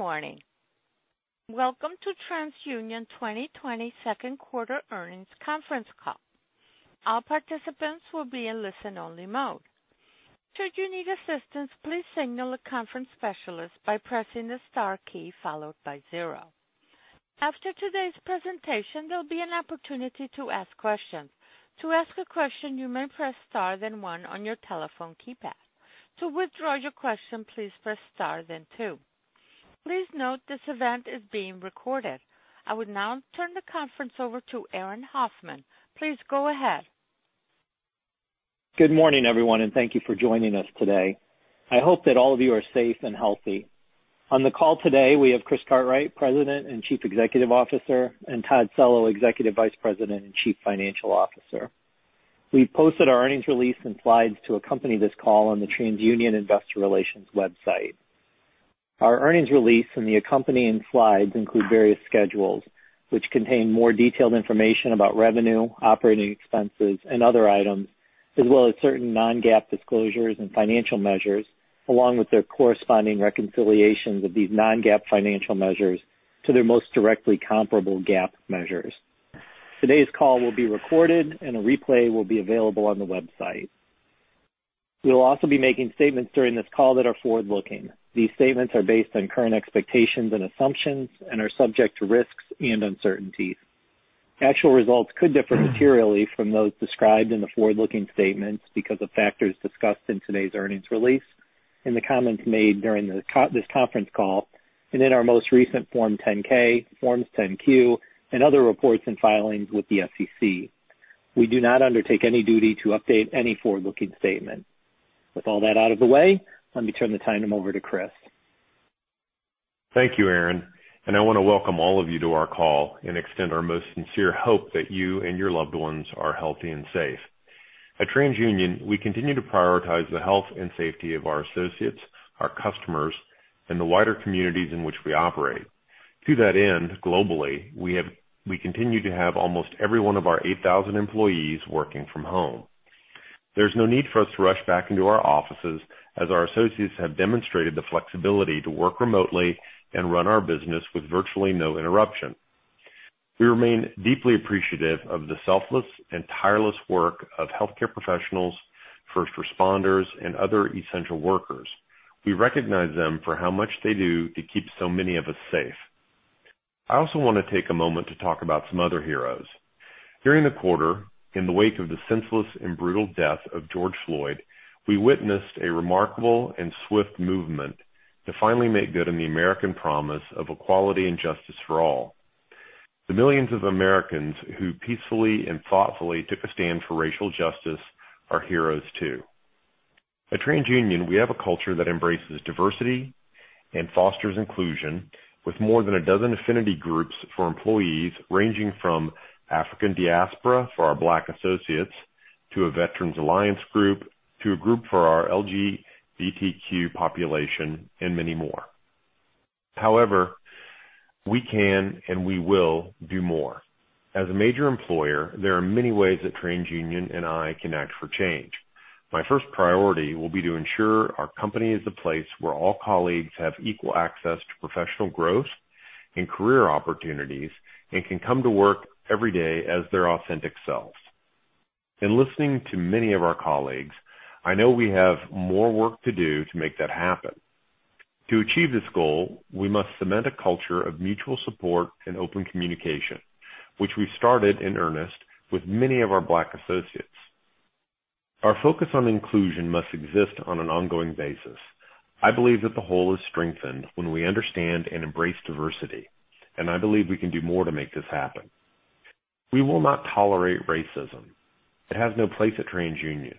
Good morning. Welcome to TransUnion 2020 second quarter earnings conference call. All participants will be in listen-only mode. Should you need assistance, please signal the conference specialist by pressing the star key followed by zero. After today's presentation, there will be an opportunity to ask questions. To ask a question, you may press star then one on your telephone keypad. To withdraw your question, please press star then two. Please note this event is being recorded. I will now turn the conference over to Aaron Hoffman. Please go ahead. Good morning, everyone, and thank you for joining us today. I hope that all of you are safe and healthy. On the call today, we have Chris Cartwright, President and Chief Executive Officer, and Todd Cello, Executive Vice President and Chief Financial Officer. We posted our earnings release and slides to accompany this call on the TransUnion Investor Relations website. Our earnings release and the accompanying slides include various schedules which contain more detailed information about revenue, operating expenses, and other items, as well as certain non-GAAP disclosures and financial measures, along with their corresponding reconciliations of these non-GAAP financial measures to their most directly comparable GAAP measures. Today's call will be recorded, and a replay will be available on the website. We will also be making statements during this call that are forward-looking. These statements are based on current expectations and assumptions and are subject to risks and uncertainties. Actual results could differ materially from those described in the forward-looking statements because of factors discussed in today's earnings release, in the comments made during this conference call, and in our most recent Form 10-K, Forms 10-Q, and other reports and filings with the SEC. We do not undertake any duty to update any forward-looking statement. With all that out of the way, let me turn the time over to Chris. Thank you, Aaron. And I want to welcome all of you to our call and extend our most sincere hope that you and your loved ones are healthy and safe. At TransUnion, we continue to prioritize the health and safety of our associates, our customers, and the wider communities in which we operate. To that end, globally, we continue to have almost every one of our 8,000 employees working from home. There's no need for us to rush back into our offices, as our associates have demonstrated the flexibility to work remotely and run our business with virtually no interruption. We remain deeply appreciative of the selfless and tireless work of healthcare professionals, first responders, and other essential workers. We recognize them for how much they do to keep so many of us safe. I also want to take a moment to talk about some other heroes. During the quarter, in the wake of the senseless and brutal death of George Floyd, we witnessed a remarkable and swift movement to finally make good on the American promise of equality and justice for all. The millions of Americans who peacefully and thoughtfully took a stand for racial justice are heroes too. At TransUnion, we have a culture that embraces diversity and fosters inclusion, with more than a dozen affinity groups for employees ranging from African Diaspora for our Black associates to a Veterans Alliance group to a group for our LGBTQ population and many more. However, we can and we will do more. As a major employer, there are many ways that TransUnion and I can act for change. My first priority will be to ensure our company is a place where all colleagues have equal access to professional growth and career opportunities and can come to work every day as their authentic selves. In listening to many of our colleagues, I know we have more work to do to make that happen. To achieve this goal, we must cement a culture of mutual support and open communication, which we've started in earnest with many of our Black associates. Our focus on inclusion must exist on an ongoing basis. I believe that the whole is strengthened when we understand and embrace diversity, and I believe we can do more to make this happen. We will not tolerate racism. It has no place at TransUnion.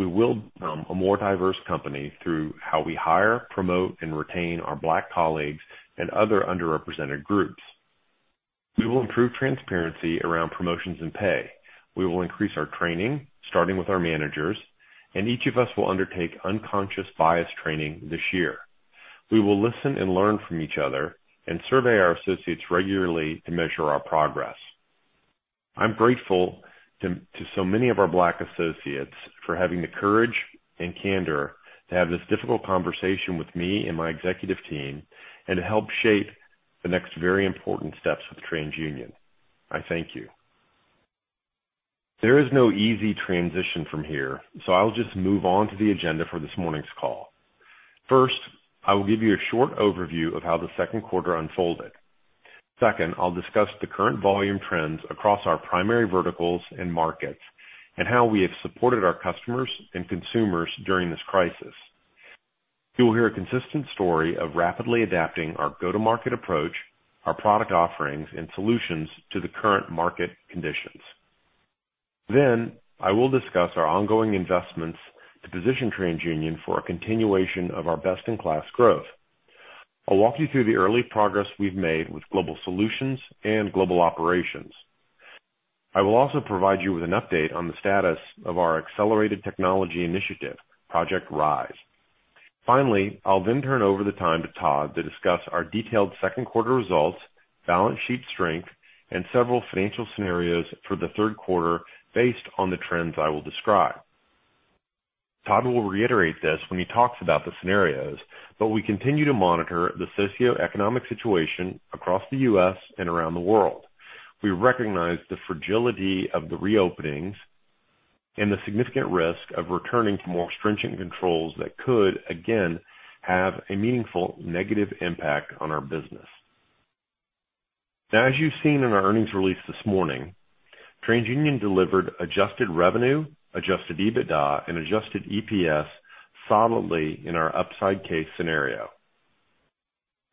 We will become a more diverse company through how we hire, promote, and retain our Black colleagues and other underrepresented groups. We will improve transparency around promotions and pay. We will increase our training, starting with our managers, and each of us will undertake unconscious bias training this year. We will listen and learn from each other and survey our associates regularly to measure our progress. I'm grateful to so many of our Black associates for having the courage and candor to have this difficult conversation with me and my executive team and to help shape the next very important steps of TransUnion. I thank you. There is no easy transition from here, so I'll just move on to the agenda for this morning's call. First, I will give you a short overview of how the second quarter unfolded. Second, I'll discuss the current volume trends across our primary verticals and markets and how we have supported our customers and consumers during this crisis. You will hear a consistent story of rapidly adapting our go-to-market approach, our product offerings, and solutions to the current market conditions. Then, I will discuss our ongoing investments to position TransUnion for a continuation of our best-in-class growth. I'll walk you through the early progress we've made with global solutions and global operations. I will also provide you with an update on the status of our accelerated technology initiative, Project Rise. Finally, I'll then turn over the time to Todd to discuss our detailed second quarter results, balance sheet strength, and several financial scenarios for the third quarter based on the trends I will describe. Todd will reiterate this when he talks about the scenarios, but we continue to monitor the socioeconomic situation across the U.S. and around the world. We recognize the fragility of the reopenings and the significant risk of returning to more stringent controls that could, again, have a meaningful negative impact on our business. Now, as you've seen in our earnings release this morning, TransUnion delivered adjusted revenue, adjusted EBITDA, and adjusted EPS solidly in our upside case scenario.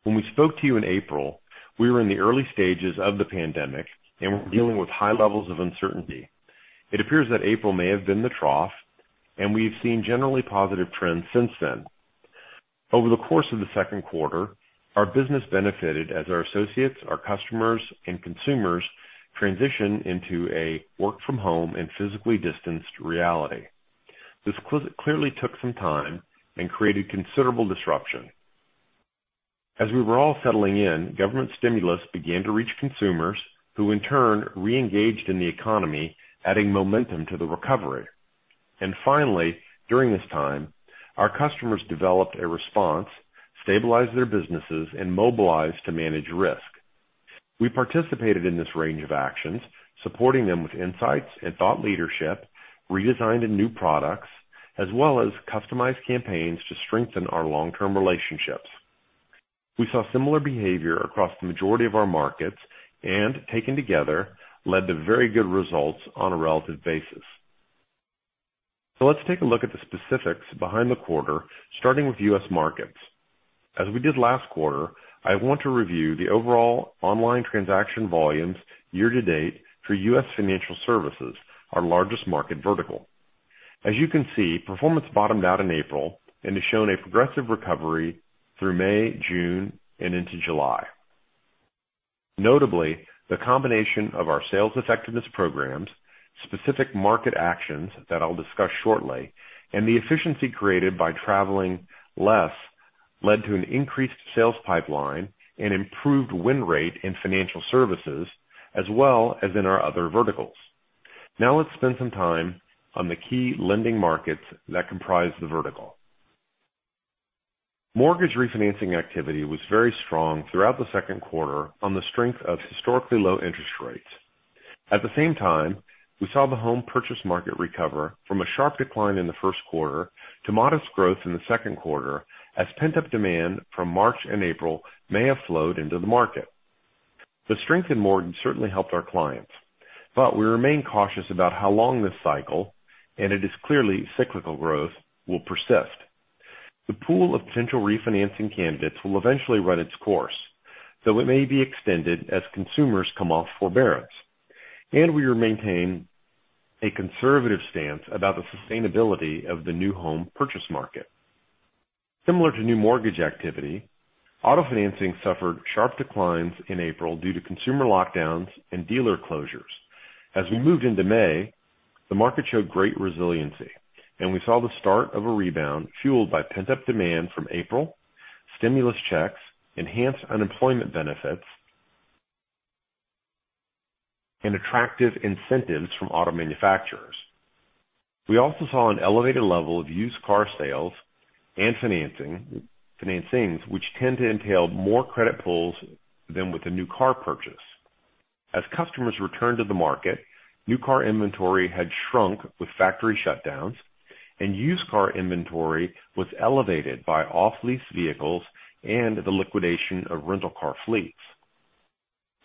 When we spoke to you in April, we were in the early stages of the pandemic, and we're dealing with high levels of uncertainty. It appears that April may have been the trough, and we've seen generally positive trends since then. Over the course of the second quarter, our business benefited as our associates, our customers, and consumers transitioned into a work-from-home and physically distanced reality. This clearly took some time and created considerable disruption. As we were all settling in, government stimulus began to reach consumers, who in turn re-engaged in the economy, adding momentum to the recovery, and finally, during this time, our customers developed a response, stabilized their businesses, and mobilized to manage risk. We participated in this range of actions, supporting them with insights and thought leadership, redesigned new products, as well as customized campaigns to strengthen our long-term relationships. We saw similar behavior across the majority of our markets and, taken together, led to very good results on a relative basis, so let's take a look at the specifics behind the quarter, starting with U.S. Markets. As we did last quarter, I want to review the overall online transaction volumes year-to-date for U.S. financial services, our largest market vertical. As you can see, performance bottomed out in April and has shown a progressive recovery through May, June, and into July. Notably, the combination of our sales effectiveness programs, specific market actions that I'll discuss shortly, and the efficiency created by traveling less led to an increased sales pipeline and improved win rate in financial services, as well as in our other verticals. Now let's spend some time on the key lending markets that comprise the vertical. Mortgage refinancing activity was very strong throughout the second quarter on the strength of historically low interest rates. At the same time, we saw the home purchase market recover from a sharp decline in the first quarter to modest growth in the second quarter as pent-up demand from March and April may have flowed into the market. The strength in mortgage certainly helped our clients, but we remain cautious about how long this cycle, and it is clearly cyclical growth, will persist. The pool of potential refinancing candidates will eventually run its course, though it may be extended as consumers come off forbearance, and we will maintain a conservative stance about the sustainability of the new home purchase market. Similar to new mortgage activity, auto financing suffered sharp declines in April due to consumer lockdowns and dealer closures. As we moved into May, the market showed great resiliency, and we saw the start of a rebound fueled by pent-up demand from April, stimulus checks, enhanced unemployment benefits, and attractive incentives from auto manufacturers. We also saw an elevated level of used car sales and financing, which tend to entail more credit pulls than with a new car purchase. As customers returned to the market, new car inventory had shrunk with factory shutdowns, and used car inventory was elevated by off-lease vehicles and the liquidation of rental car fleets.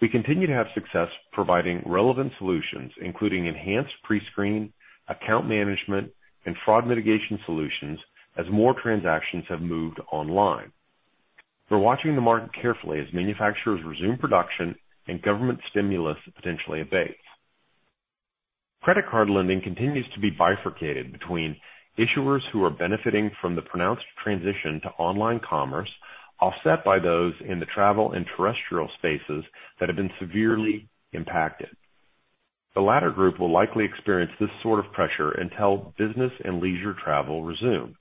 We continue to have success providing relevant solutions, including enhanced pre-screen, account management, and fraud mitigation solutions as more transactions have moved online. We're watching the market carefully as manufacturers resume production and government stimulus potentially abates. Credit card lending continues to be bifurcated between issuers who are benefiting from the pronounced transition to online commerce, offset by those in the travel and terrestrial spaces that have been severely impacted. The latter group will likely experience this sort of pressure until business and leisure travel resume.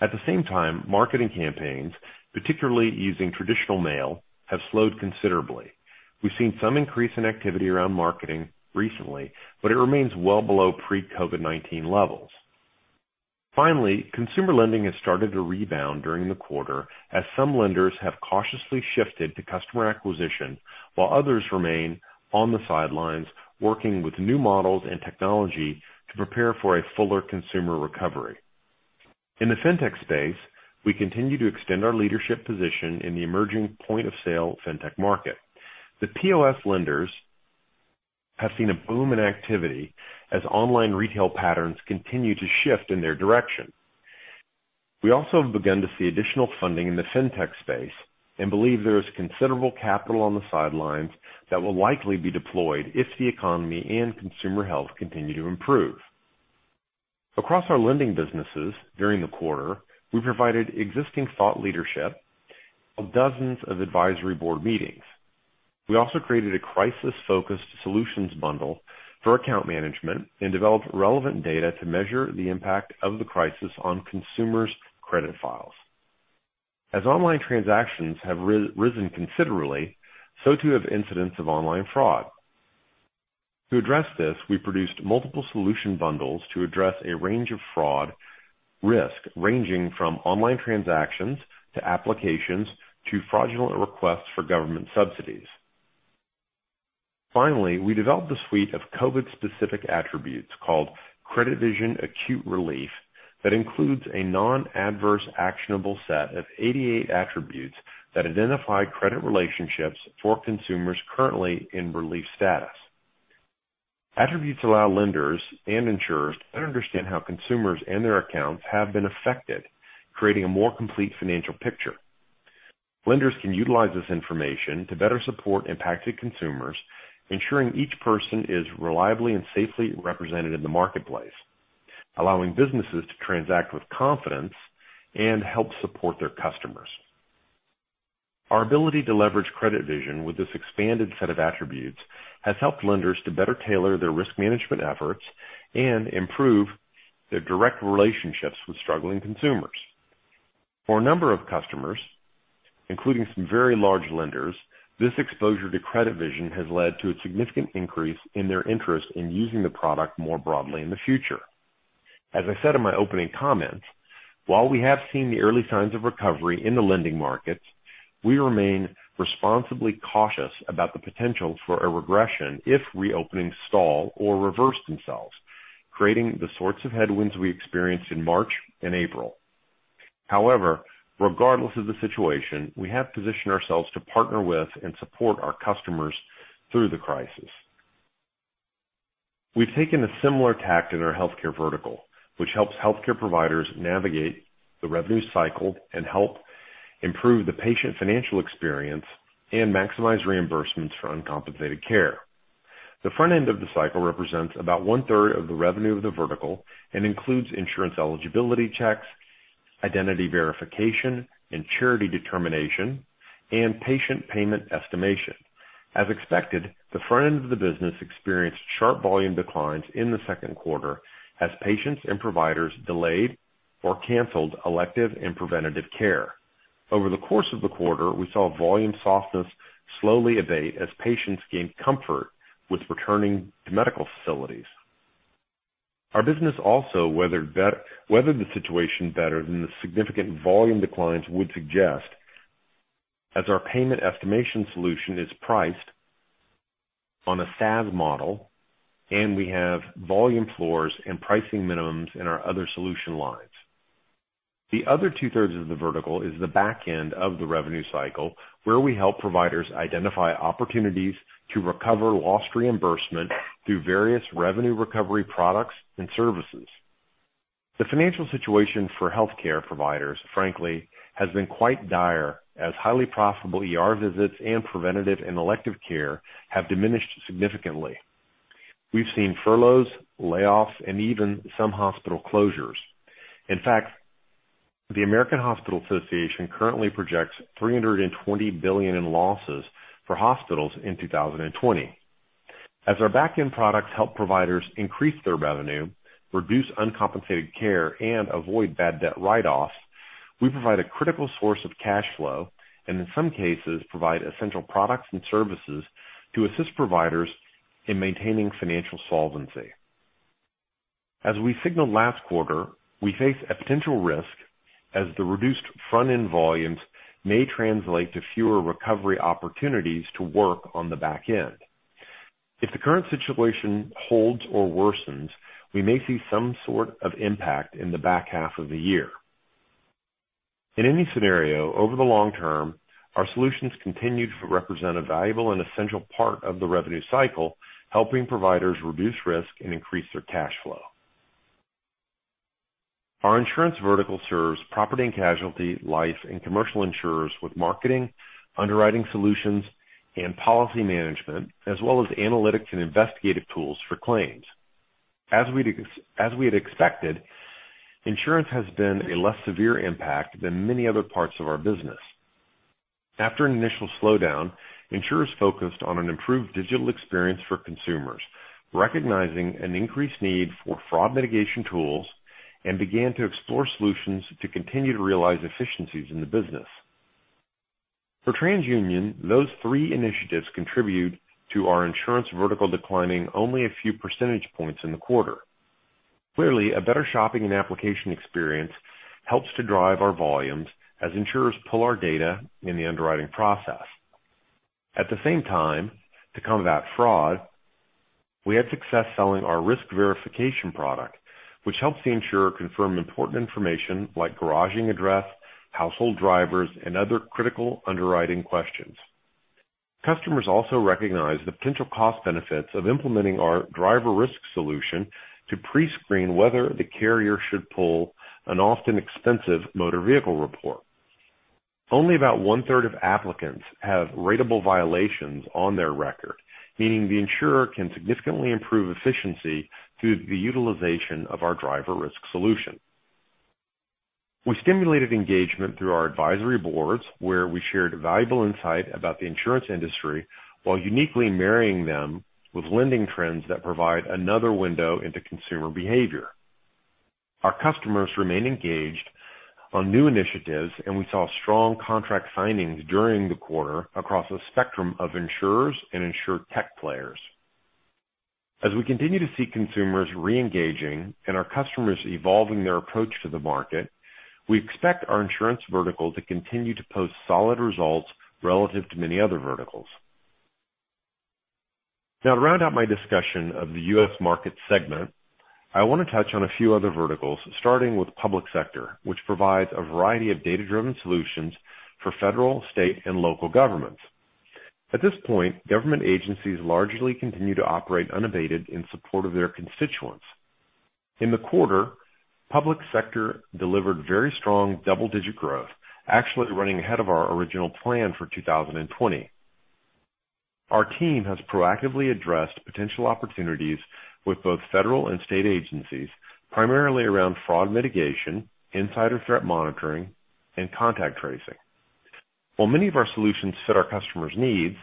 At the same time, marketing campaigns, particularly using traditional mail, have slowed considerably. We've seen some increase in activity around marketing recently, but it remains well below pre-COVID-19 levels. Finally, consumer lending has started to rebound during the quarter as some lenders have cautiously shifted to customer acquisition while others remain on the sidelines working with new models and technology to prepare for a fuller consumer recovery. In the fintech space, we continue to extend our leadership position in the emerging point-of-sale fintech market. The POS lenders have seen a boom in activity as online retail patterns continue to shift in their direction. We also have begun to see additional funding in the fintech space and believe there is considerable capital on the sidelines that will likely be deployed if the economy and consumer health continue to improve. Across our lending businesses during the quarter, we provided existing thought leadership and dozens of advisory board meetings. We also created a crisis-focused solutions bundle for account management and developed relevant data to measure the impact of the crisis on consumers' credit files. As online transactions have risen considerably, so too have incidents of online fraud. To address this, we produced multiple solution bundles to address a range of fraud risk ranging from online transactions to applications to fraudulent requests for government subsidies. Finally, we developed a suite of COVID-specific attributes called CreditVision Acute Relief that includes a non-adverse actionable set of 88 attributes that identify credit relationships for consumers currently in relief status. Attributes allow lenders and insurers to better understand how consumers and their accounts have been affected, creating a more complete financial picture. Lenders can utilize this information to better support impacted consumers, ensuring each person is reliably and safely represented in the marketplace, allowing businesses to transact with confidence and help support their customers. Our ability to leverage CreditVision with this expanded set of attributes has helped lenders to better tailor their risk management efforts and improve their direct relationships with struggling consumers. For a number of customers, including some very large lenders, this exposure to CreditVision has led to a significant increase in their interest in using the product more broadly in the future. As I said in my opening comments, while we have seen the early signs of recovery in the lending markets, we remain responsibly cautious about the potential for a regression if reopenings stall or reverse themselves, creating the sorts of headwinds we experienced in March and April. However, regardless of the situation, we have positioned ourselves to partner with and support our customers through the crisis. We've taken a similar tack in our healthcare vertical, which helps healthcare providers navigate the revenue cycle and help improve the patient financial experience and maximize reimbursements for uncompensated care. The front end of the cycle represents about one-third of the revenue of the vertical and includes insurance eligibility checks, identity verification and charity determination, and patient payment estimation. As expected, the front end of the business experienced sharp volume declines in the second quarter as patients and providers delayed or canceled elective and preventative care. Over the course of the quarter, we saw volume softness slowly abate as patients gained comfort with returning to medical facilities. Our business also weathered the situation better than the significant volume declines would suggest as our payment estimation solution is priced on a SaaS model, and we have volume floors and pricing minimums in our other solution lines. The other two-thirds of the vertical is the back end of the revenue cycle where we help providers identify opportunities to recover lost reimbursement through various revenue recovery products and services. The financial situation for healthcare providers, frankly, has been quite dire as highly profitable visits and preventative and elective care have diminished significantly. We've seen furloughs, layoffs, and even some hospital closures. In fact, the American Hospital Association currently projects $320 billion in losses for hospitals in 2020. As our back-end products help providers increase their revenue, reduce uncompensated care, and avoid bad debt write-offs, we provide a critical source of cash flow and, in some cases, provide essential products and services to assist providers in maintaining financial solvency. As we signaled last quarter, we face a potential risk as the reduced front-end volumes may translate to fewer recovery opportunities to work on the back end. If the current situation holds or worsens, we may see some sort of impact in the back half of the year. In any scenario, over the long term, our solutions continue to represent a valuable and essential part of the revenue cycle, helping providers reduce risk and increase their cash flow. Our insurance vertical serves property and casualty, life, and commercial insurers with marketing, underwriting solutions, and policy management, as well as analytics and investigative tools for claims. As we had expected, insurance has been a less severe impact than many other parts of our business. After an initial slowdown, insurers focused on an improved digital experience for consumers, recognizing an increased need for fraud mitigation tools, and began to explore solutions to continue to realize efficiencies in the business. For TransUnion, those three initiatives contribute to our insurance vertical declining only a few percentage points in the quarter. Clearly, a better shopping and application experience helps to drive our volumes as insurers pull our data in the underwriting process. At the same time, to combat fraud, we had success selling our risk verification product, which helps the insurer confirm important information like garaging address, household drivers, and other critical underwriting questions. Customers also recognize the potential cost benefits of implementing our driver risk solution to pre-screen whether the carrier should pull an often expensive motor vehicle report. Only about one-third of applicants have ratable violations on their record, meaning the insurer can significantly improve efficiency through the utilization of our driver risk solution. We stimulated engagement through our advisory boards where we shared valuable insight about the insurance industry while uniquely marrying them with lending trends that provide another window into consumer behavior. Our customers remain engaged on new initiatives, and we saw strong contract signings during the quarter across a spectrum of insurers and insured tech players. As we continue to see consumers re-engaging and our customers evolving their approach to the market, we expect our insurance vertical to continue to post solid results relative to many other verticals. Now, to round out my discussion of the U.S. market segment, I want to touch on a few other verticals, starting with Public Sector, which provides a variety of data-driven solutions for federal, state, and local governments. At this point, government agencies largely continue to operate unabated in support of their constituents. In the quarter, Public Sector delivered very strong double-digit growth, actually running ahead of our original plan for 2020. Our team has proactively addressed potential opportunities with both federal and state agencies, primarily around fraud mitigation, insider threat monitoring, and contact tracing. While many of our solutions fit our customers' needs,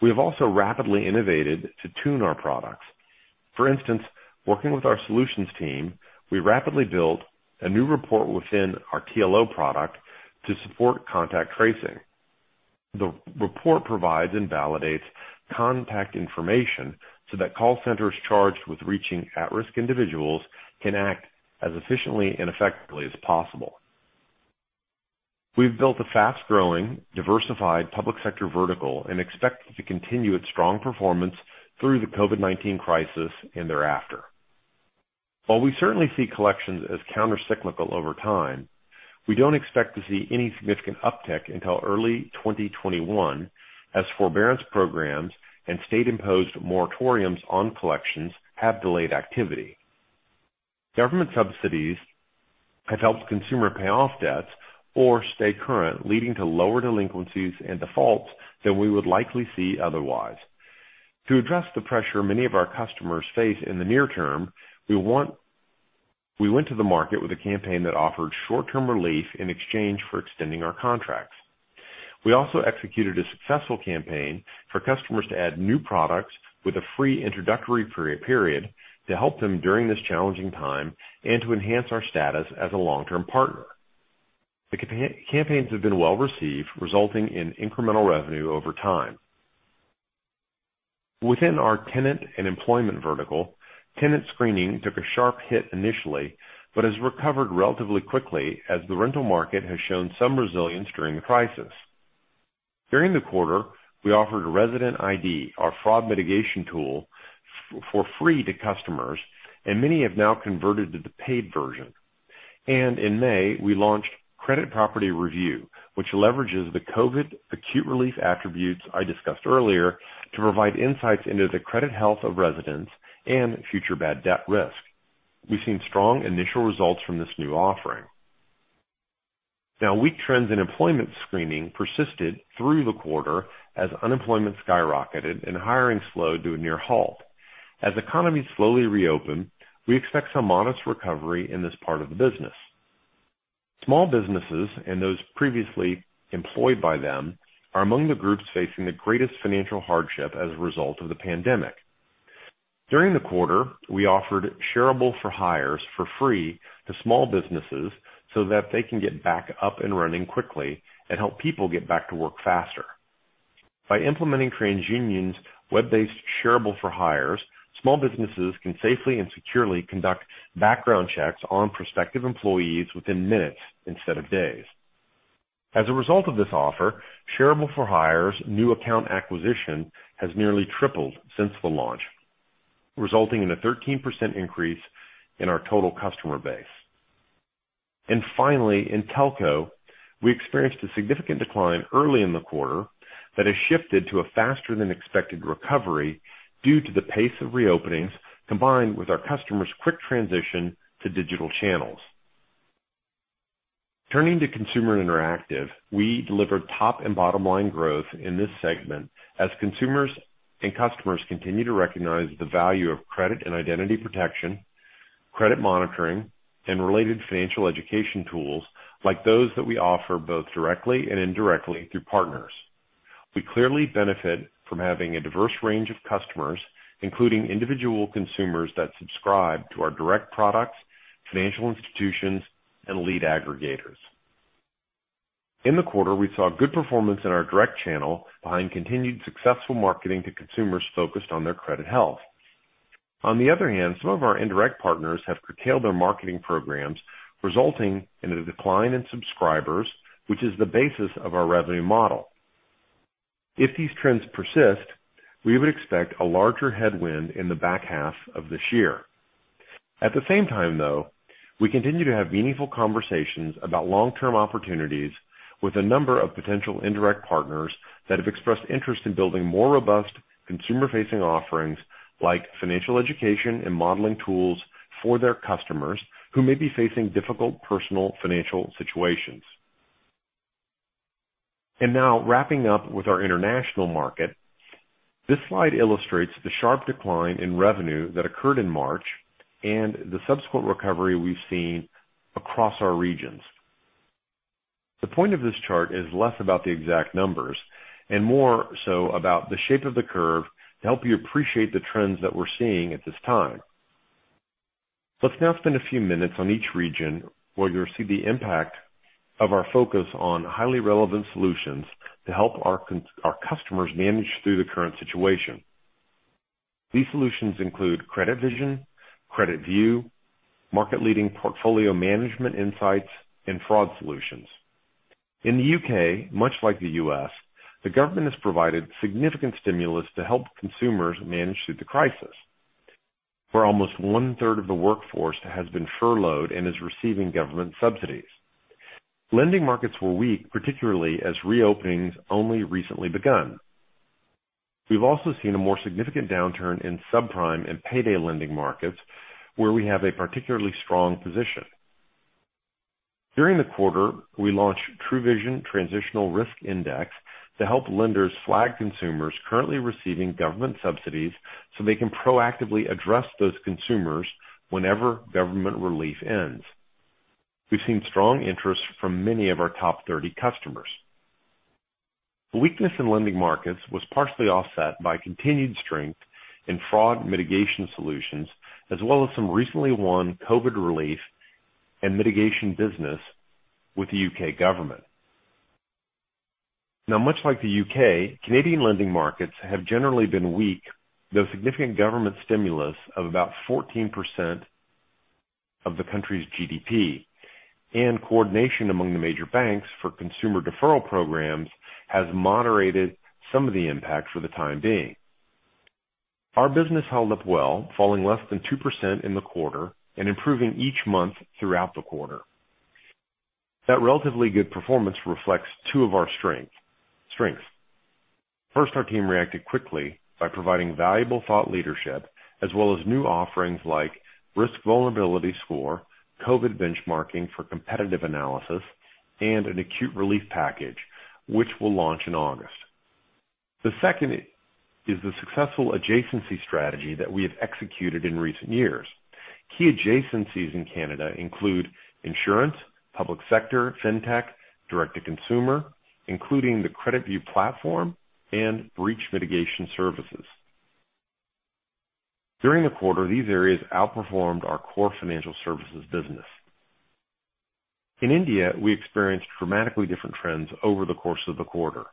we have also rapidly innovated to tune our products. For instance, working with our solutions team, we rapidly built a new report within our TLO product to support contact tracing. The report provides and validates contact information so that call centers charged with reaching at-risk individuals can act as efficiently and effectively as possible. We've built a fast-growing, diversified Public Sector vertical and expect to continue its strong performance through the COVID-19 crisis and thereafter. While we certainly see Collections as countercyclical over time, we don't expect to see any significant uptick until early 2021 as forbearance programs and state-imposed moratoriums on Collections have delayed activity. Government subsidies have helped consumers pay off debts or stay current, leading to lower delinquencies and defaults than we would likely see otherwise. To address the pressure many of our customers face in the near term, we went to the market with a campaign that offered short-term relief in exchange for extending our contracts. We also executed a successful campaign for customers to add new products with a free introductory period to help them during this challenging time and to enhance our status as a long-term partner. The campaigns have been well received, resulting in incremental revenue over time. Within our Tenant and Employment vertical, tenant screening took a sharp hit initially but has recovered relatively quickly as the rental market has shown some resilience during the crisis. During the quarter, we offered ResidentID, our fraud mitigation tool, for free to customers, and many have now converted to the paid version, and in May, we launched Credit Property Review, which leverages the COVID Acute Relief attributes I discussed earlier to provide insights into the credit health of residents and future bad debt risk. We've seen strong initial results from this new offering. Now, weak trends in employment screening persisted through the quarter as unemployment skyrocketed and hiring slowed to a near halt. As economies slowly reopen, we expect some modest recovery in this part of the business. Small businesses and those previously employed by them are among the groups facing the greatest financial hardship as a result of the pandemic. During the quarter, we offered ShareAble for Hires for free to small businesses so that they can get back up and running quickly and help people get back to work faster. By implementing TransUnion's web-based ShareAble for Hires, small businesses can safely and securely conduct background checks on prospective employees within minutes instead of days. As a result of this offer, ShareAble for Hires' new account acquisition has nearly tripled since the launch, resulting in a 13% increase in our total customer base. And finally, in telco, we experienced a significant decline early in the quarter that has shifted to a faster-than-expected recovery due to the pace of reopenings combined with our customers' quick transition to digital channels. Turning to consumer interactive, we delivered top and bottom-line growth in this segment as consumers and customers continue to recognize the value of credit and identity protection, credit monitoring, and related financial education tools like those that we offer both directly and indirectly through partners. We clearly benefit from having a diverse range of customers, including individual consumers that subscribe to our direct products, financial institutions, and lead aggregators. In the quarter, we saw good performance in our direct channel behind continued successful marketing to consumers focused on their credit health. On the other hand, some of our indirect partners have curtailed their marketing programs, resulting in a decline in subscribers, which is the basis of our revenue model. If these trends persist, we would expect a larger headwind in the back half of this year. At the same time, though, we continue to have meaningful conversations about long-term opportunities with a number of potential indirect partners that have expressed interest in building more robust consumer-facing offerings like financial education and modeling tools for their customers who may be facing difficult personal financial situations. And now, wrapping up with our International Market, this slide illustrates the sharp decline in revenue that occurred in March and the subsequent recovery we've seen across our regions. The point of this chart is less about the exact numbers and more so about the shape of the curve to help you appreciate the trends that we're seeing at this time. Let's now spend a few minutes on each region where you'll see the impact of our focus on highly relevant solutions to help our customers manage through the current situation. These solutions include CreditVision, CreditView, market-leading portfolio management insights, and fraud solutions. In the U.K., much like the U.S., the government has provided significant stimulus to help consumers manage through the crisis, where almost one-third of the workforce has been furloughed and is receiving government subsidies. Lending markets were weak, particularly as reopenings only recently begun. We've also seen a more significant downturn in subprime and payday lending markets where we have a particularly strong position. During the quarter, we launched TruVision Transitional Risk Index to help lenders flag consumers currently receiving government subsidies so they can proactively address those consumers whenever government relief ends. We've seen strong interest from many of our top 30 customers. The weakness in lending markets was partially offset by continued strength in fraud mitigation solutions, as well as some recently won COVID relief and mitigation business with the U.K. government. Now, much like the U.K., Canadian lending markets have generally been weak, though significant government stimulus of about 14% of the country's GDP and coordination among the major banks for consumer deferral programs has moderated some of the impact for the time being. Our business held up well, falling less than 2% in the quarter and improving each month throughout the quarter. That relatively good performance reflects two of our strengths. First, our team reacted quickly by providing valuable thought leadership, as well as new offerings like risk vulnerability score, COVID benchmarking for competitive analysis, and an acute relief package, which will launch in August. The second is the successful adjacency strategy that we have executed in recent years. Key adjacencies in Canada include insurance, Public Sector, fintech, direct-to-consumer, including the CreditView platform and breach mitigation services. During the quarter, these areas outperformed our core financial services business. In India, we experienced dramatically different trends over the course of the quarter.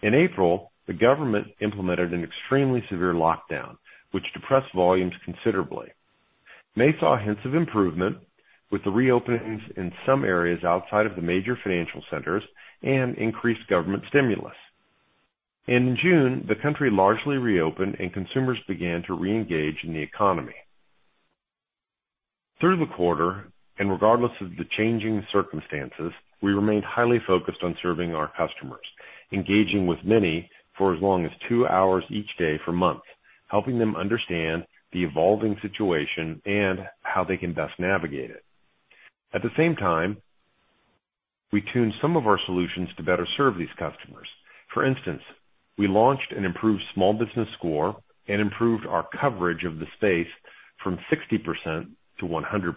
In April, the government implemented an extremely severe lockdown, which depressed volumes considerably. May saw hints of improvement with the reopenings in some areas outside of the major financial centers and increased government stimulus. In June, the country largely reopened and consumers began to reengage in the economy. Through the quarter, and regardless of the changing circumstances, we remained highly focused on serving our customers, engaging with many for as long as two hours each day for months, helping them understand the evolving situation and how they can best navigate it. At the same time, we tuned some of our solutions to better serve these customers. For instance, we launched an improved small business score and improved our coverage of the space from 60% to 100%.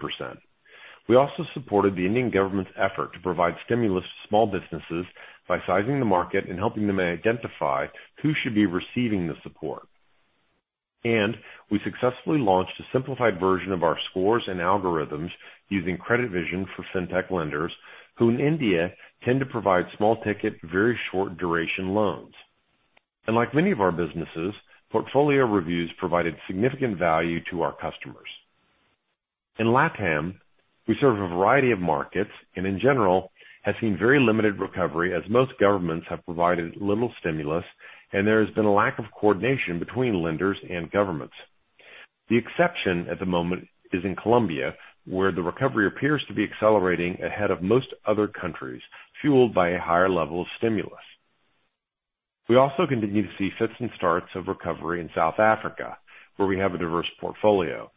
We also supported the Indian government's effort to provide stimulus to small businesses by sizing the market and helping them identify who should be receiving the support. We successfully launched a simplified version of our scores and algorithms using CreditVision for fintech lenders who in India tend to provide small-ticket, very short-duration loans. Like many of our businesses, portfolio reviews provided significant value to our customers. In LATAM, we serve a variety of markets and, in general, have seen very limited recovery as most governments have provided little stimulus and there has been a lack of coordination between lenders and governments. The exception at the moment is in Colombia, where the recovery appears to be accelerating ahead of most other countries, fueled by a higher level of stimulus. We also continue to see fits and starts of recovery in South Africa, where we have a diverse portfolio.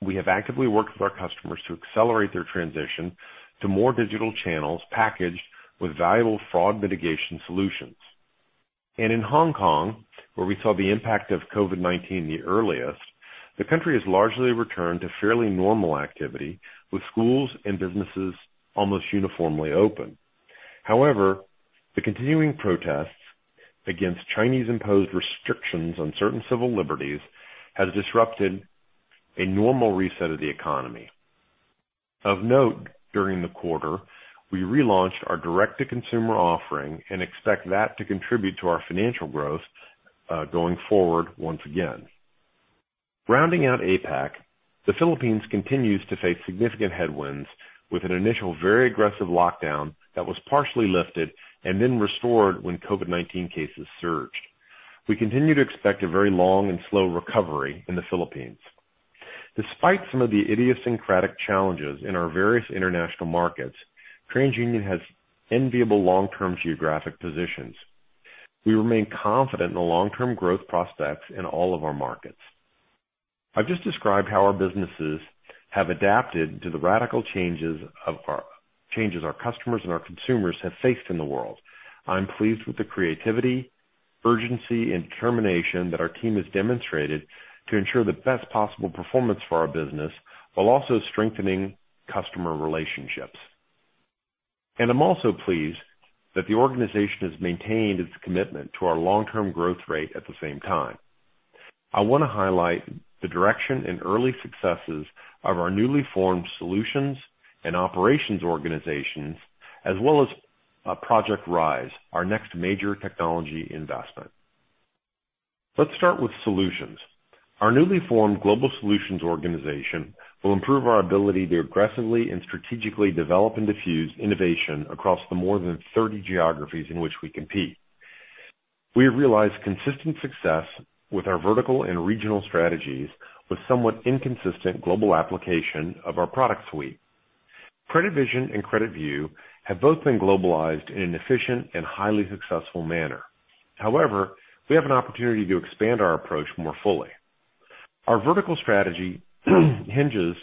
We have actively worked with our customers to accelerate their transition to more digital channels packaged with valuable fraud mitigation solutions, and in Hong Kong, where we saw the impact of COVID-19 the earliest, the country has largely returned to fairly normal activity with schools and businesses almost uniformly open. However, the continuing protests against Chinese-imposed restrictions on certain civil liberties have disrupted a normal reset of the economy. Of note, during the quarter, we relaunched our direct-to-consumer offering and expect that to contribute to our financial growth going forward once again. Rounding out APAC, the Philippines continues to face significant headwinds with an initial very aggressive lockdown that was partially lifted and then restored when COVID-19 cases surged. We continue to expect a very long and slow recovery in the Philippines. Despite some of the idiosyncratic challenges in our various International Markets, TransUnion has enviable long-term geographic positions. We remain confident in the long-term growth prospects in all of our markets. I've just described how our businesses have adapted to the radical changes our customers and our consumers have faced in the world. I'm pleased with the creativity, urgency, and determination that our team has demonstrated to ensure the best possible performance for our business while also strengthening customer relationships. And I'm also pleased that the organization has maintained its commitment to our long-term growth rate at the same time. I want to highlight the direction and early successes of our newly formed solutions and operations organizations, as well as Project Rise, our next major technology investment. Let's start with solutions. Our newly formed global solutions organization will improve our ability to aggressively and strategically develop and diffuse innovation across the more than 30 geographies in which we compete. We have realized consistent success with our vertical and regional strategies with somewhat inconsistent global application of our product suite. CreditVision and CreditView have both been globalized in an efficient and highly successful manner. However, we have an opportunity to expand our approach more fully. Our vertical strategy hinges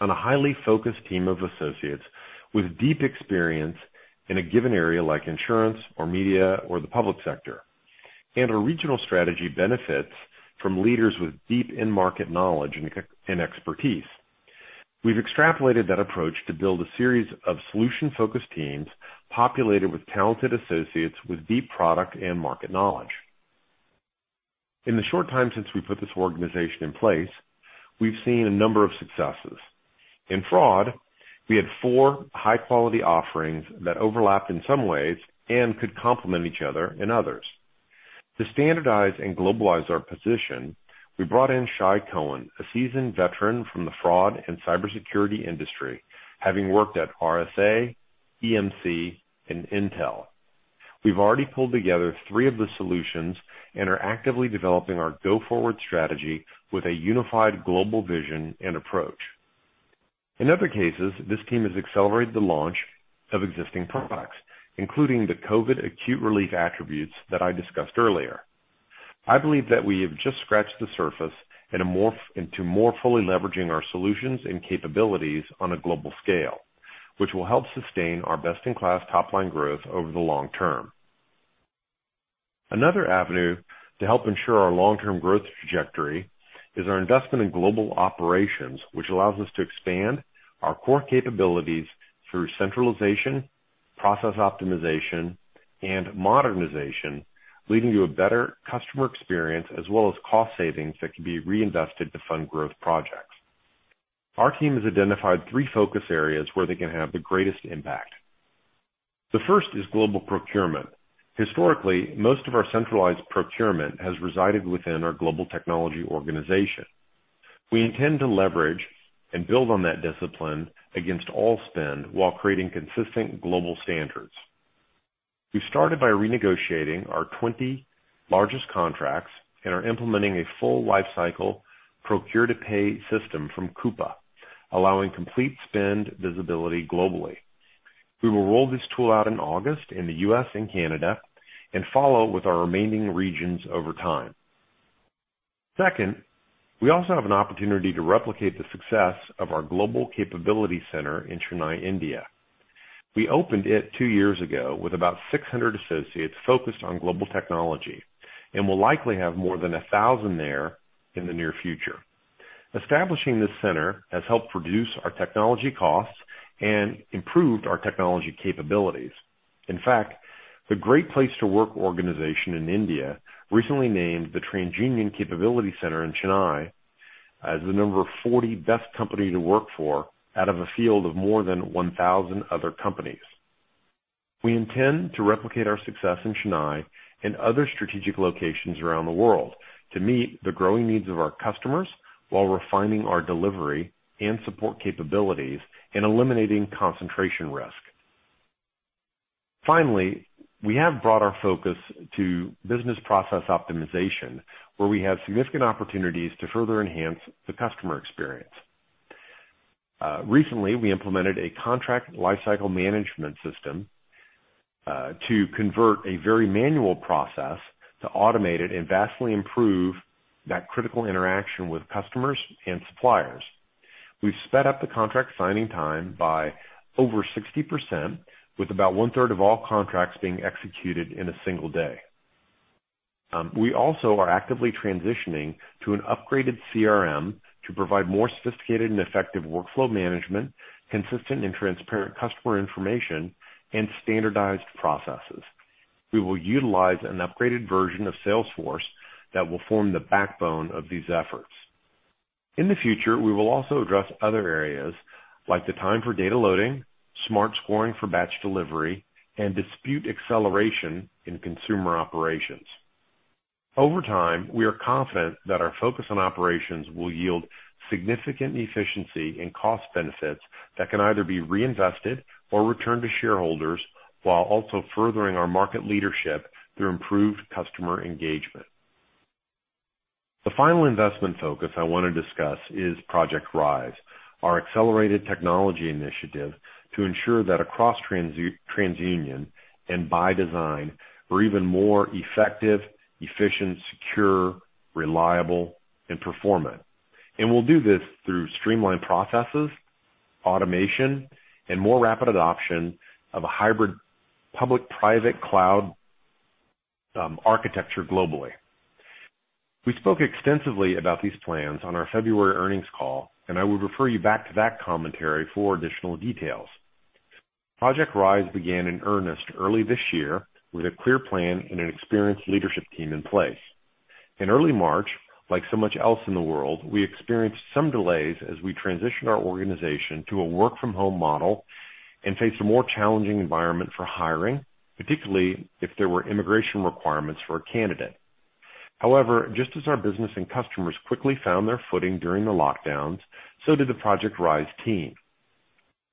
on a highly focused team of associates with deep experience in a given area like insurance or Media or the Public Sector, and our regional strategy benefits from leaders with deep in-market knowledge and expertise. We've extrapolated that approach to build a series of solution-focused teams populated with talented associates with deep product and market knowledge. In the short time since we put this organization in place, we've seen a number of successes. In fraud, we had four high-quality offerings that overlapped in some ways and could complement each other in others. To standardize and globalize our position, we brought in Shai Cohen, a seasoned veteran from the fraud and cybersecurity industry, having worked at RSA, EMC, and Intel. We've already pulled together three of the solutions and are actively developing our go-forward strategy with a unified global vision and approach. In other cases, this team has accelerated the launch of existing products, including the COVID acute relief attributes that I discussed earlier. I believe that we have just scratched the surface and are more fully leveraging our solutions and capabilities on a global scale, which will help sustain our best-in-class top-line growth over the long term. Another avenue to help ensure our long-term growth trajectory is our investment in global operations, which allows us to expand our core capabilities through centralization, process optimization, and modernization, leading to a better customer experience as well as cost savings that can be reinvested to fund growth projects. Our team has identified three focus areas where they can have the greatest impact. The first is global procurement. Historically, most of our centralized procurement has resided within our global technology organization. We intend to leverage and build on that discipline against all spend while creating consistent global standards. We started by renegotiating our 20 largest contracts and are implementing a full lifecycle procure-to-pay system from Coupa, allowing complete spend visibility globally. We will roll this tool out in August in the U.S. and Canada and follow with our remaining regions over time. Second, we also have an opportunity to replicate the success of our global capability center in Chennai, India. We opened it two years ago with about 600 associates focused on global technology and will likely have more than 1,000 there in the near future. Establishing this center has helped reduce our technology costs and improved our technology capabilities. In fact, the Great Place to Work organization in India recently named the TransUnion Capability Center in Chennai as the number 40 best company to work for out of a field of more than 1,000 other companies. We intend to replicate our success in Chennai and other strategic locations around the world to meet the growing needs of our customers while refining our delivery and support capabilities and eliminating concentration risk. Finally, we have brought our focus to business process optimization, where we have significant opportunities to further enhance the customer experience. Recently, we implemented a contract lifecycle management system to convert a very manual process to automate it and vastly improve that critical interaction with customers and suppliers. We've sped up the contract signing time by over 60%, with about one-third of all contracts being executed in a single day. We also are actively transitioning to an upgraded CRM to provide more sophisticated and effective workflow management, consistent and transparent customer information, and standardized processes. We will utilize an upgraded version of Salesforce that will form the backbone of these efforts. In the future, we will also address other areas like the time for data loading, smart scoring for batch delivery, and dispute acceleration in consumer operations. Over time, we are confident that our focus on operations will yield significant efficiency and cost benefits that can either be reinvested or returned to shareholders while also furthering our market leadership through improved customer engagement. The final investment focus I want to discuss is Project Rise, our accelerated technology initiative to ensure that across TransUnion and by design, we're even more effective, efficient, secure, reliable, and performant, and we'll do this through streamlined processes, automation, and more rapid adoption of a hybrid public-private cloud architecture globally. We spoke extensively about these plans on our February earnings call, and I would refer you back to that commentary for additional details. Project Rise began in earnest early this year with a clear plan and an experienced leadership team in place. In early March, like so much else in the world, we experienced some delays as we transitioned our organization to a work-from-home model and faced a more challenging environment for hiring, particularly if there were immigration requirements for a candidate. However, just as our business and customers quickly found their footing during the lockdowns, so did the Project Rise team.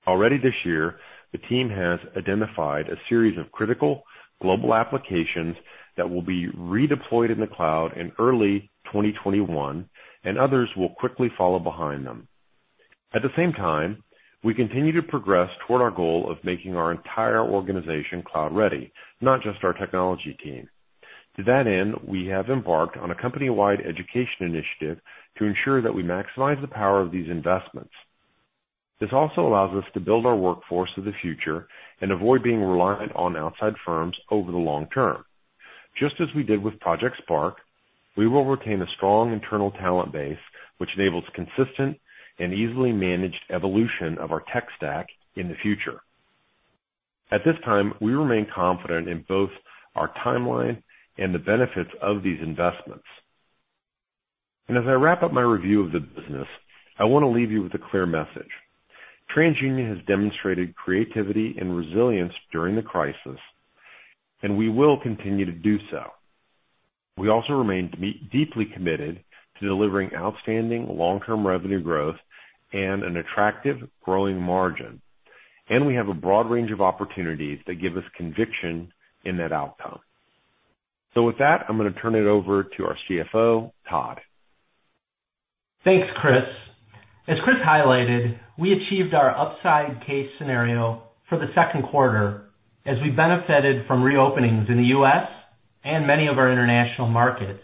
Already this year, the team has identified a series of critical global applications that will be redeployed in the cloud in early 2021, and others will quickly follow behind them. At the same time, we continue to progress toward our goal of making our entire organization cloud-ready, not just our technology team. To that end, we have embarked on a company-wide education initiative to ensure that we maximize the power of these investments. This also allows us to build our workforce for the future and avoid being reliant on outside firms over the long term. Just as we did with Project Spark, we will retain a strong internal talent base, which enables consistent and easily managed evolution of our tech stack in the future. At this time, we remain confident in both our timeline and the benefits of these investments, and as I wrap up my review of the business, I want to leave you with a clear message. TransUnion has demonstrated creativity and resilience during the crisis, and we will continue to do so. We also remain deeply committed to delivering outstanding long-term revenue growth and an attractive growing margin, and we have a broad range of opportunities that give us conviction in that outcome, so with that, I'm going to turn it over to our CFO, Todd. Thanks, Chris. As Chris highlighted, we achieved our upside case scenario for the second quarter as we benefited from reopenings in the U.S. and many of our International Markets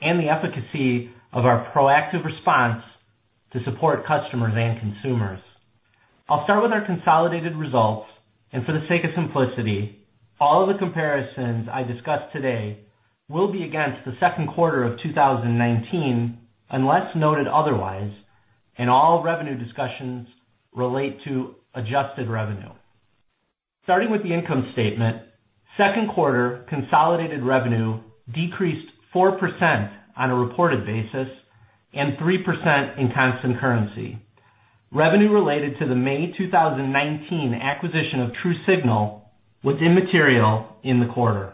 and the efficacy of our proactive response to support customers and consumers. I'll start with our consolidated results for the sake of simplicity, all of the comparisons I discuss today will be against the second quarter of 2019 unless noted otherwise, and all revenue discussions relate to adjusted revenue. Starting with the income statement, second quarter consolidated revenue decreased 4% on a reported basis and 3% in constant currency. Revenue related to the May 2019 acquisition of TruSignal was immaterial in the quarter.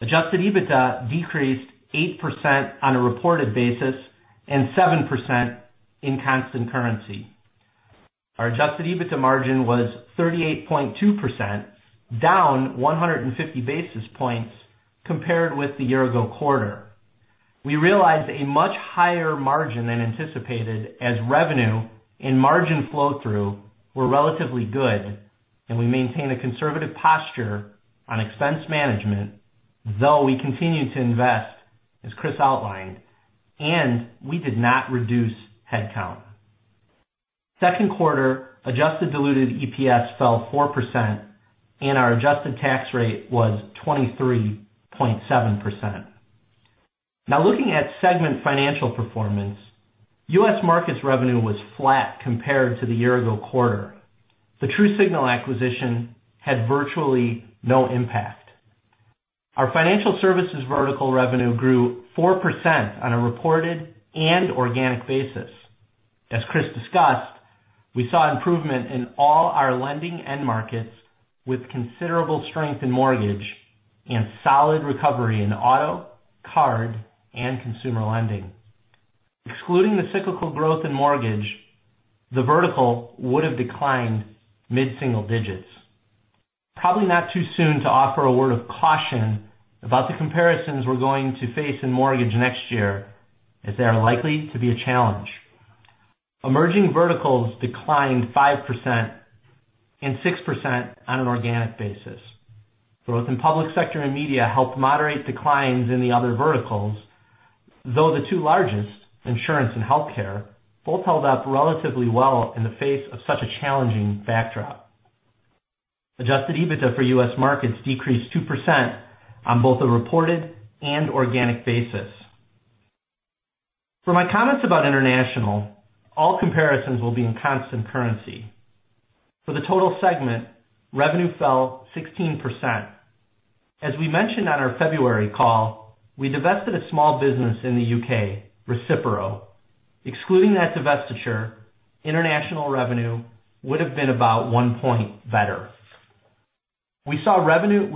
Adjusted EBITDA decreased 8% on a reported basis and 7% in constant currency. Our adjusted EBITDA margin was 38.2%, down 150 basis points compared with the year-ago quarter. We realized a much higher margin than anticipated as revenue and margin flow-through were relatively good, and we maintain a conservative posture on expense management, though we continue to invest, as Chris outlined, and we did not reduce headcount. Second quarter, adjusted diluted EPS fell 4%, and our adjusted tax rate was 23.7%. Now, looking at segment financial performance, U.S. Markets revenue was flat compared to the year-ago quarter. The TruSignal acquisition had virtually no impact. Our financial services vertical revenue grew 4% on a reported and organic basis. As Chris discussed, we saw improvement in all our lending end markets with considerable strength in mortgage and solid recovery in auto, card, and consumer lending. Excluding the cyclical growth in mortgage, the vertical would have declined mid-single digits. Probably not too soon to offer a word of caution about the comparisons we're going to face in mortgage next year, as they are likely to be a challenge. Emerging verticals declined 5% and 6% on an organic basis. Growth in Public Sector and Media helped moderate declines in the other verticals, though the two largest, insurance and healthcare, both held up relatively well in the face of such a challenging backdrop. Adjusted EBITDA for U.S. Markets decreased 2% on both a reported and organic basis. For my comments about International, all comparisons will be in constant currency. For the total segment, revenue fell 16%. As we mentioned on our February call, we divested a small business in the U.K., Recipero. Excluding that divestiture, International revenue would have been about one point better. We saw revenue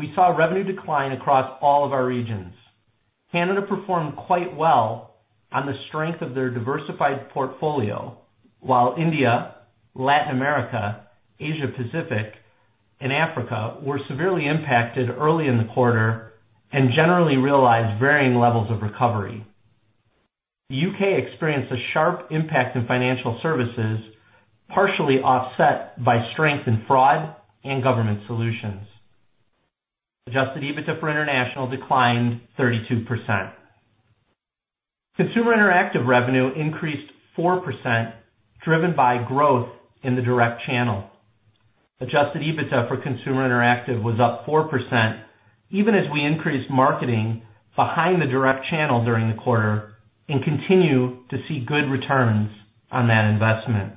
decline across all of our regions. Canada performed quite well on the strength of their diversified portfolio, while India, Latin America, Asia-Pacific, and Africa were severely impacted early in the quarter and generally realized varying levels of recovery. The UK experienced a sharp impact in financial services, partially offset by strength in fraud and government solutions. Adjusted EBITDA for International declined 32%. Consumer Interactive revenue increased 4%, driven by growth in the direct channel. Adjusted EBITDA for Consumer Interactive was up 4%, even as we increased marketing behind the direct channel during the quarter and continue to see good returns on that investment.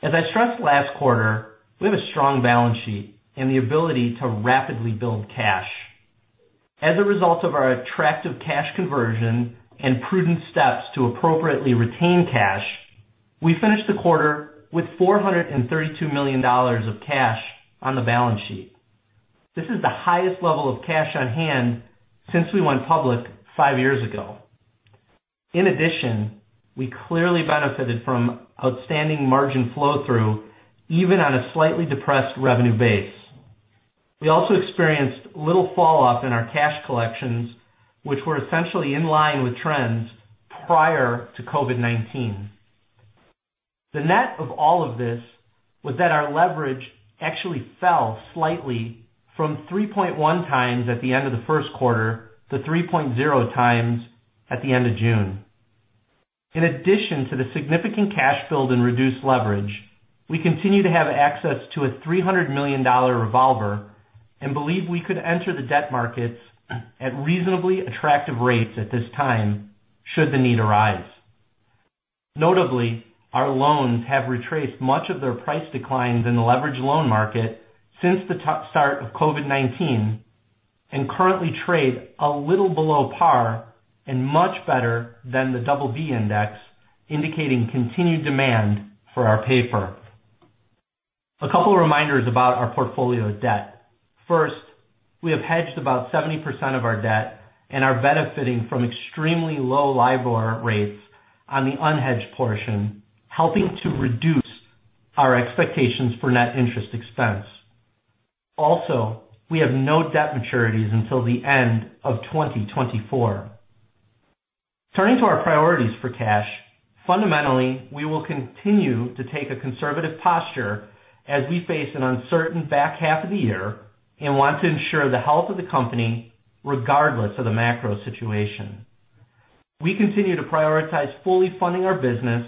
As I stressed last quarter, we have a strong balance sheet and the ability to rapidly build cash. As a result of our attractive cash conversion and prudent steps to appropriately retain cash, we finished the quarter with $432 million of cash on the balance sheet. This is the highest level of cash on hand since we went public five years ago. In addition, we clearly benefited from outstanding margin flow-through, even on a slightly depressed revenue base. We also experienced little falloff in our cash Collections, which were essentially in line with trends prior to COVID-19. The net of all of this was that our leverage actually fell slightly from 3.1x at the end of the first quarter to 3.0x at the end of June. In addition to the significant cash build and reduced leverage, we continue to have access to a $300 million revolver and believe we could enter the debt markets at reasonably attractive rates at this time, should the need arise. Notably, our loans have retraced much of their price declines in the leveraged loan market since the start of COVID-19 and currently trade a little below par and much better than the Double B Index, indicating continued demand for our paper. A couple of reminders about our portfolio debt. First, we have hedged about 70% of our debt, and we're benefiting from extremely low LIBOR rates on the unhedged portion, helping to reduce our expectations for net interest expense. Also, we have no debt maturities until the end of 2024. Turning to our priorities for cash, fundamentally, we will continue to take a conservative posture as we face an uncertain back half of the year and want to ensure the health of the company regardless of the macro situation. We continue to prioritize fully funding our business,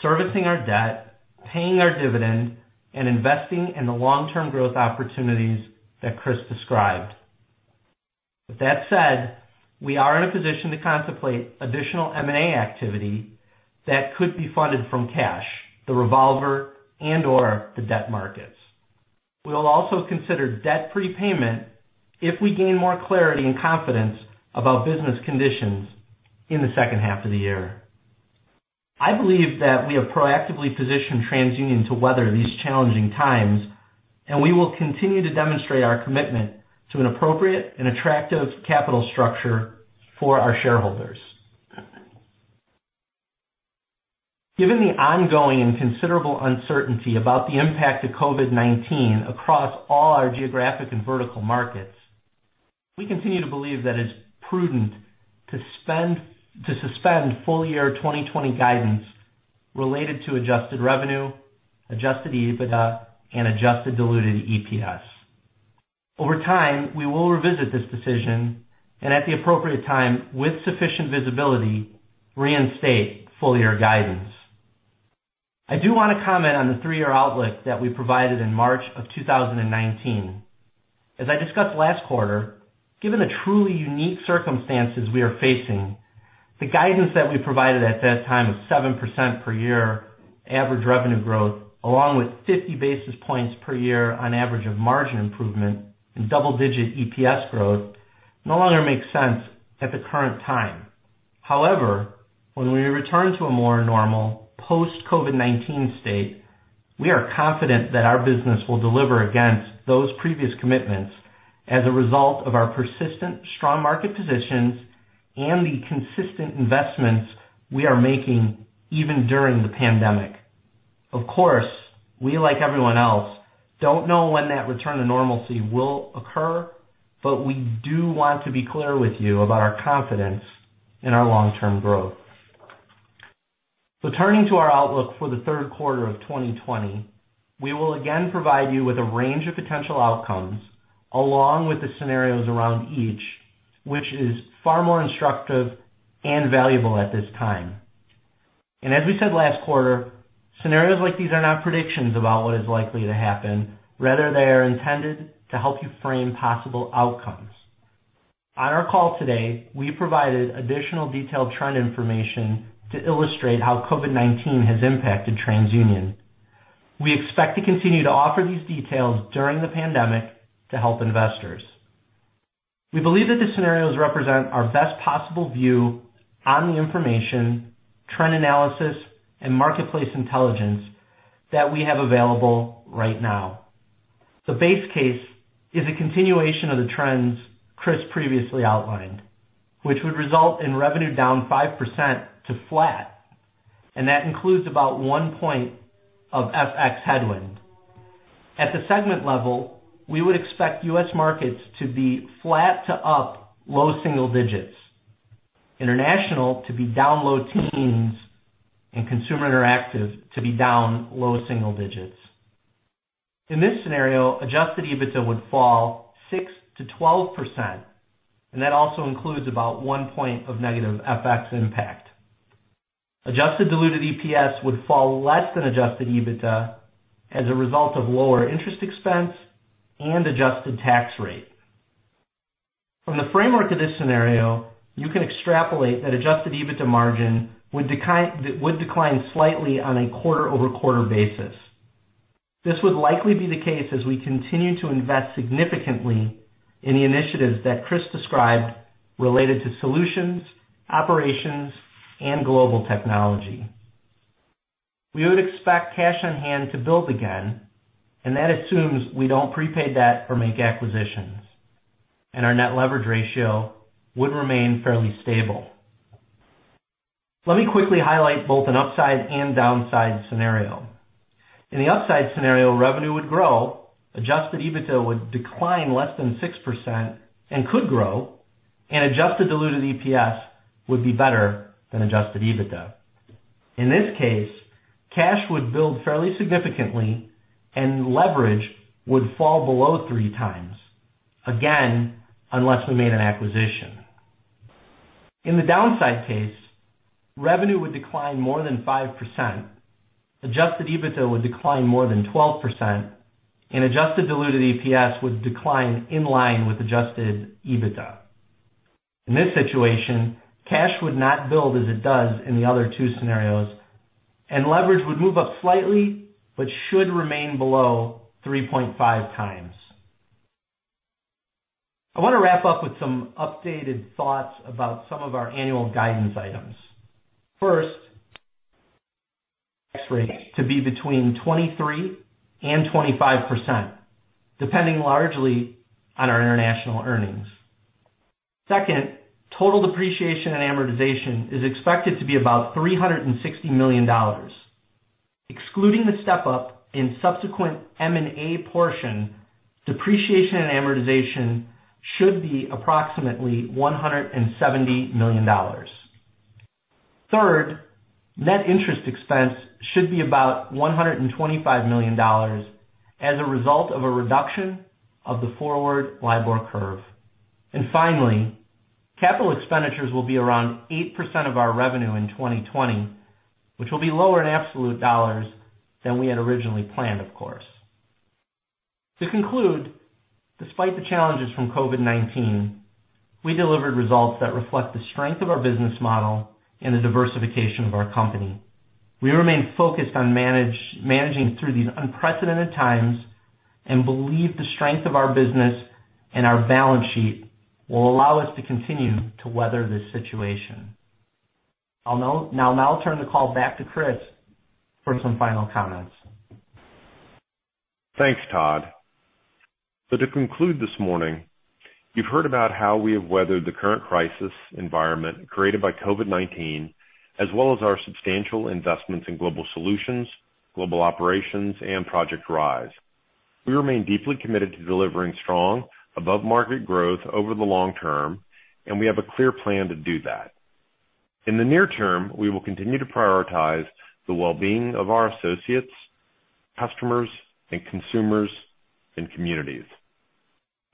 servicing our debt, paying our dividend, and investing in the long-term growth opportunities that Chris described. With that said, we are in a position to contemplate additional M&A activity that could be funded from cash, the revolver, and/or the debt markets. We will also consider debt prepayment if we gain more clarity and confidence about business conditions in the second half of the year. I believe that we have proactively positioned TransUnion to weather these challenging times, and we will continue to demonstrate our commitment to an appropriate and attractive capital structure for our shareholders. Given the ongoing and considerable uncertainty about the impact of COVID-19 across all our geographic and vertical markets, we continue to believe that it's prudent to suspend full year 2020 guidance related to Adjusted revenue, Adjusted EBITDA, and Adjusted diluted EPS. Over time, we will revisit this decision, and at the appropriate time, with sufficient visibility, reinstate full year guidance. I do want to comment on the three-year outlook that we provided in March of 2019. As I discussed last quarter, given the truly unique circumstances we are facing, the guidance that we provided at that time of 7% per year average revenue growth, along with 50 basis points per year on average of margin improvement and double-digit EPS growth, no longer makes sense at the current time. However, when we return to a more normal post-COVID-19 state, we are confident that our business will deliver against those previous commitments as a result of our persistent strong market positions and the consistent investments we are making even during the pandemic. Of course, we, like everyone else, don't know when that return to normalcy will occur, but we do want to be clear with you about our confidence in our long-term growth. So turning to our outlook for the third quarter of 2020, we will again provide you with a range of potential outcomes along with the scenarios around each, which is far more instructive and valuable at this time. And as we said last quarter, scenarios like these are not predictions about what is likely to happen. Rather, they are intended to help you frame possible outcomes. On our call today, we provided additional detailed trend information to illustrate how COVID-19 has impacted TransUnion. We expect to continue to offer these details during the pandemic to help investors. We believe that the scenarios represent our best possible view on the information, trend analysis, and marketplace intelligence that we have available right now. The base case is a continuation of the trends Chris previously outlined, which would result in revenue down 5% to flat, and that includes about one point of FX headwind. At the segment level, we would expect U.S. Markets to be flat to up low single digits, International to be down low teens, and Consumer Interactive to be down low single digits. In this scenario, Adjusted EBITDA would fall 6%-12%, and that also includes about one point of negative FX impact. Adjusted diluted EPS would fall less than Adjusted EBITDA as a result of lower interest expense and adjusted tax rate. From the framework of this scenario, you can extrapolate that Adjusted EBITDA margin would decline slightly on a quarter-over-quarter basis. This would likely be the case as we continue to invest significantly in the initiatives that Chris described related to solutions, operations, and global technology. We would expect cash on hand to build again, and that assumes we don't prepay debt or make acquisitions, and our net leverage ratio would remain fairly stable. Let me quickly highlight both an upside and downside scenario. In the upside scenario, revenue would grow, adjusted EBITDA would decline less than 6% and could grow, and adjusted diluted EPS would be better than adjusted EBITDA. In this case, cash would build fairly significantly, and leverage would fall below 3x, again, unless we made an acquisition. In the downside case, revenue would decline more than 5%, adjusted EBITDA would decline more than 12%, and adjusted diluted EPS would decline in line with adjusted EBITDA. In this situation, cash would not build as it does in the other two scenarios, and leverage would move up slightly but should remain below 3.5x. I want to wrap up with some updated thoughts about some of our annual guidance items. First, tax rate to be between 23% and 25%, depending largely on our International earnings. Second, total depreciation and amortization is expected to be about $360 million. Excluding the step-up in subsequent M&A portion, depreciation and amortization should be approximately $170 million. Third, net interest expense should be about $125 million as a result of a reduction of the forward LIBOR curve. And finally, capital expenditures will be around 8% of our revenue in 2020, which will be lower in absolute dollars than we had originally planned, of course. To conclude, despite the challenges from COVID-19, we delivered results that reflect the strength of our business model and the diversification of our company. We remain focused on managing through these unprecedented times and believe the strength of our business and our balance sheet will allow us to continue to weather this situation. I'll now turn the call back to Chris for some final comments. Thanks, Todd. So to conclude this morning, you've heard about how we have weathered the current crisis environment created by COVID-19, as well as our substantial investments in global solutions, global operations, and Project Rise. We remain deeply committed to delivering strong above-market growth over the long term, and we have a clear plan to do that. In the near term, we will continue to prioritize the well-being of our associates, customers, consumers, and communities.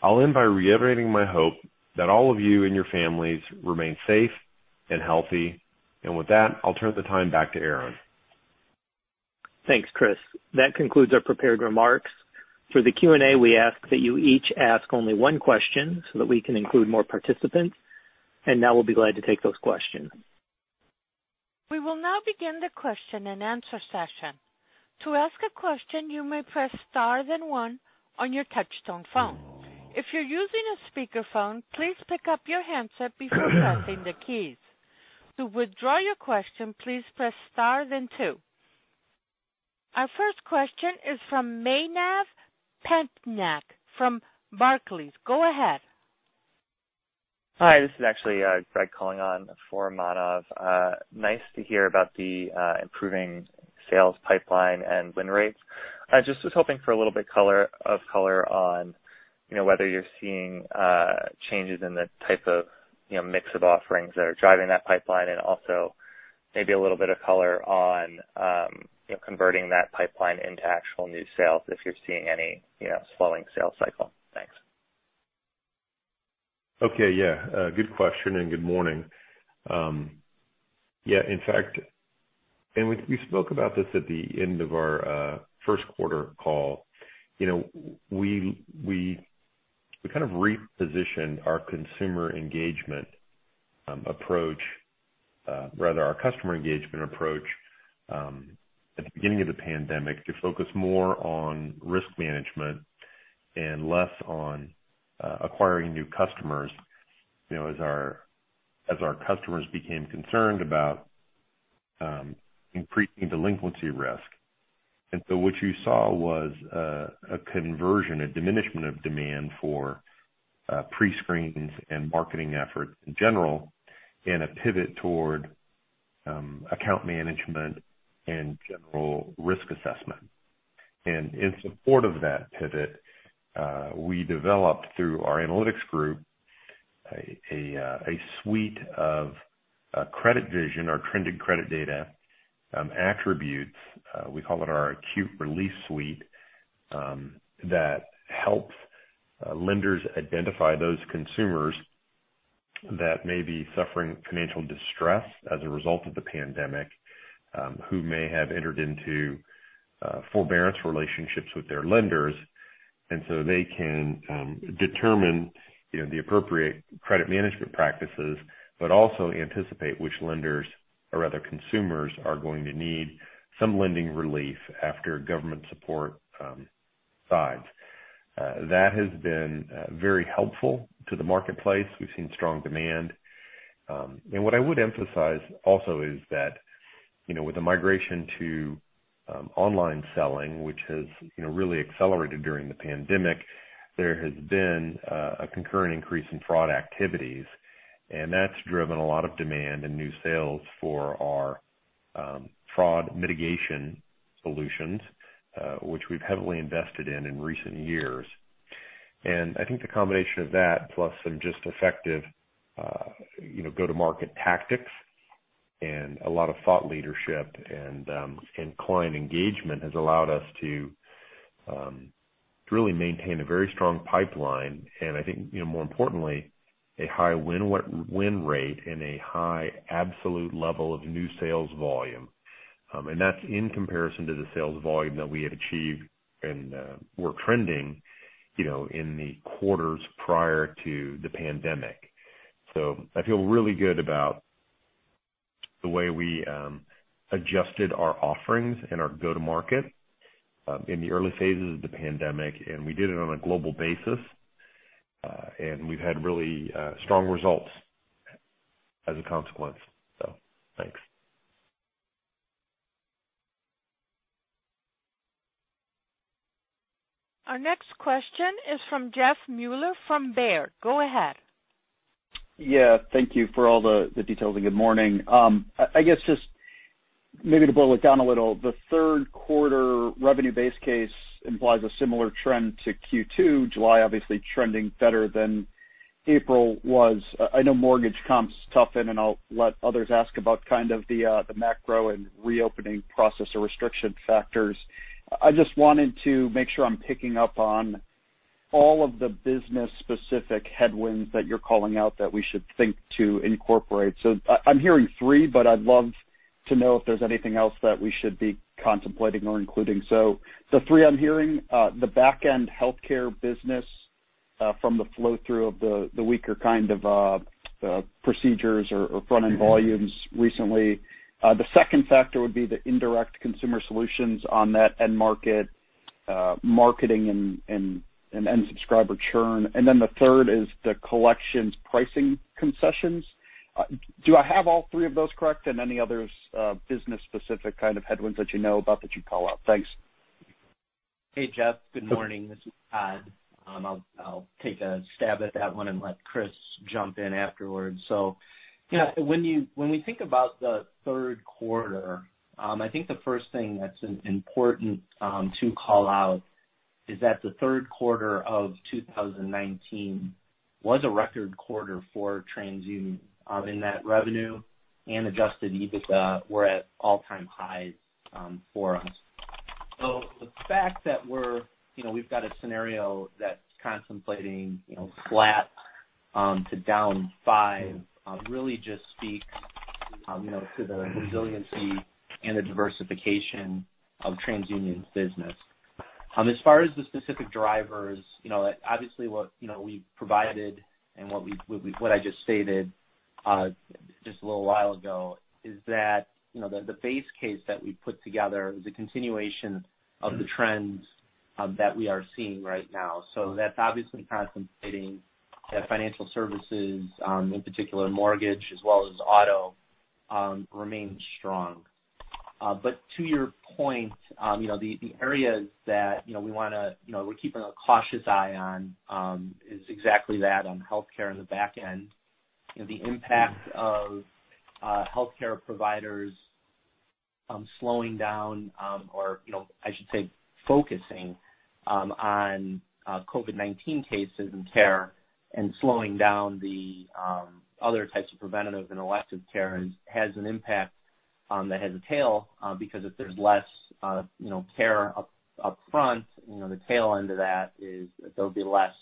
I'll end by reiterating my hope that all of you and your families remain safe and healthy, and with that, I'll turn the time back to Aaron. Thanks, Chris. That concludes our prepared remarks. For the Q&A, we ask that you each ask only one question so that we can include more participants, and now we'll be glad to take those questions. We will now begin the question and answer session. To ask a question, you may press star then one on your touch-tone phone. If you're using a speakerphone, please pick up your handset before pressing the keys. To withdraw your question, please press star then two. Our first question is from Manav Patnaik from Barclays. Go ahead. Hi, this is actually Greg calling on behalf of Manav. Nice to hear about the improving sales pipeline and win rates. I just was hoping for a little bit of color on whether you're seeing changes in the type of mix of offerings that are driving that pipeline and also maybe a little bit of color on converting that pipeline into actual new sales if you're seeing any slowing sales cycle? Thanks. Okay, yeah. Good question and good morning. Yeah, in fact, and we spoke about this at the end of our first quarter call. We kind of repositioned our consumer engagement approach, rather our customer engagement approach at the beginning of the pandemic to focus more on risk management and less on acquiring new customers as our customers became concerned about increasing delinquency risk, and so what you saw was a conversion, a diminishment of demand for prescreens and marketing efforts in general and a pivot toward account management and general risk assessment. In support of that pivot, we developed through our analytics group a suite of CreditVision, our trending credit data attributes. We call it our Acute Relief Suite that helps lenders identify those consumers that may be suffering financial distress as a result of the pandemic who may have entered into forbearance relationships with their lenders. And so they can determine the appropriate credit management practices, but also anticipate which lenders or other consumers are going to need some lending relief after government support subsides. That has been very helpful to the marketplace. We've seen strong demand. And what I would emphasize also is that with the migration to online selling, which has really accelerated during the pandemic, there has been a concurrent increase in fraud activities, and that's driven a lot of demand and new sales for our fraud mitigation solutions, which we've heavily invested in in recent years. And I think the combination of that plus some just effective go-to-market tactics and a lot of thought leadership and client engagement has allowed us to really maintain a very strong pipeline, and I think more importantly, a high win rate and a high absolute level of new sales volume. And that's in comparison to the sales volume that we had achieved and were trending in the quarters prior to the pandemic. So I feel really good about the way we adjusted our offerings and our go-to-market in the early phases of the pandemic, and we did it on a global basis, and we've had really strong results as a consequence. So thanks. Our next question is from Jeff Mueller from Baird. Go ahead. Yeah, thank you for all the details and good morning. I guess just maybe to boil it down a little, the third quarter revenue base case implies a similar trend to Q2, July obviously trending better than April was. I know mortgage comps toughen, and I'll let others ask about kind of the macro and reopening process or restriction factors. I just wanted to make sure I'm picking up on all of the business-specific headwinds that you're calling out that we should think to incorporate. So I'm hearing three, but I'd love to know if there's anything else that we should be contemplating or including. So the three I'm hearing, the back-end healthcare business from the flow-through of the weaker kind of procedures or front-end volumes recently. The second factor would be the indirect consumer solutions on that end market marketing and end subscriber churn, and then the third is the Collections pricing concessions. Do I have all three of those correct? And any other business-specific kind of headwinds that you know about that you'd call out? Thanks. Hey, Jeff. Good morning. This is Todd. I'll take a stab at that one and let Chris jump in afterwards. So when we think about the third quarter, I think the first thing that's important to call out is that the third quarter of 2019 was a record quarter for TransUnion in that revenue and Adjusted EBITDA were at all-time highs for us. So the fact that we've got a scenario that's contemplating flat to down five really just speaks to the resiliency and the diversification of TransUnion's business. As far as the specific drivers, obviously what we provided and what I just stated just a little while ago is that the base case that we put together is a continuation of the trends that we are seeing right now. So that's obviously contemplating that financial services, in particular mortgage as well as auto, remain strong. But to your point, the areas that we're keeping a cautious eye on is exactly that on healthcare and the back end, the impact of healthcare providers slowing down or I should say focusing on COVID-19 cases and care and slowing down the other types of preventative and elective care has an impact that has a tail because if there's less care upfront, the tail end of that is there'll be less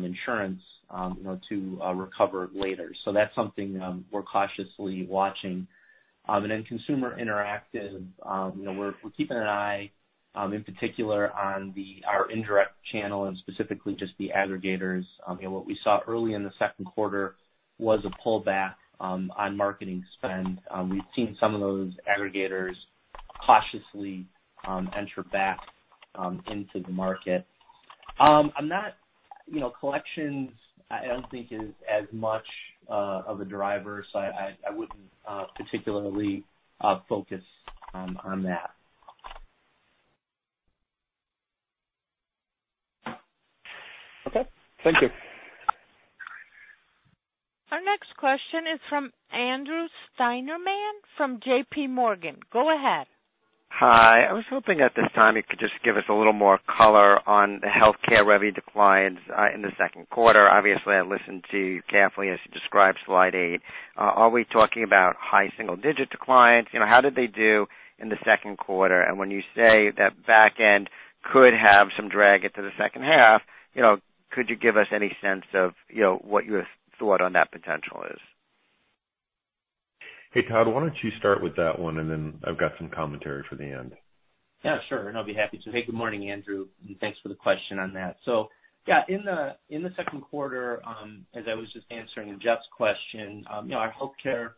insurance to recover later. So that's something we're cautiously watching. And then consumer interactive, we're keeping an eye in particular on our indirect channel and specifically just the aggregators. What we saw early in the second quarter was a pullback on marketing spend. We've seen some of those aggregators cautiously enter back into the market. Collections, I don't think, is as much of a driver, so I wouldn't particularly focus on that. Okay. Thank you. Our next question is from Andrew Steinerman from JPMorgan. Go ahead. Hi. I was hoping at this time you could just give us a little more color on the healthcare revenue declines in the second quarter. Obviously, I listened to you carefully as you described Slide 8. Are we talking about high single-digit declines? How did they do in the second quarter? And when you say that back end could have some drag into the second half, could you give us any sense of what your thought on that potential is? Hey, Todd, why don't you start with that one, and then I've got some commentary for the end. Yeah, sure. And I'll be happy to. Hey, good morning, Andrew. And thanks for the question on that. So yeah, in the second quarter, as I was just answering Jeff's question, our healthcare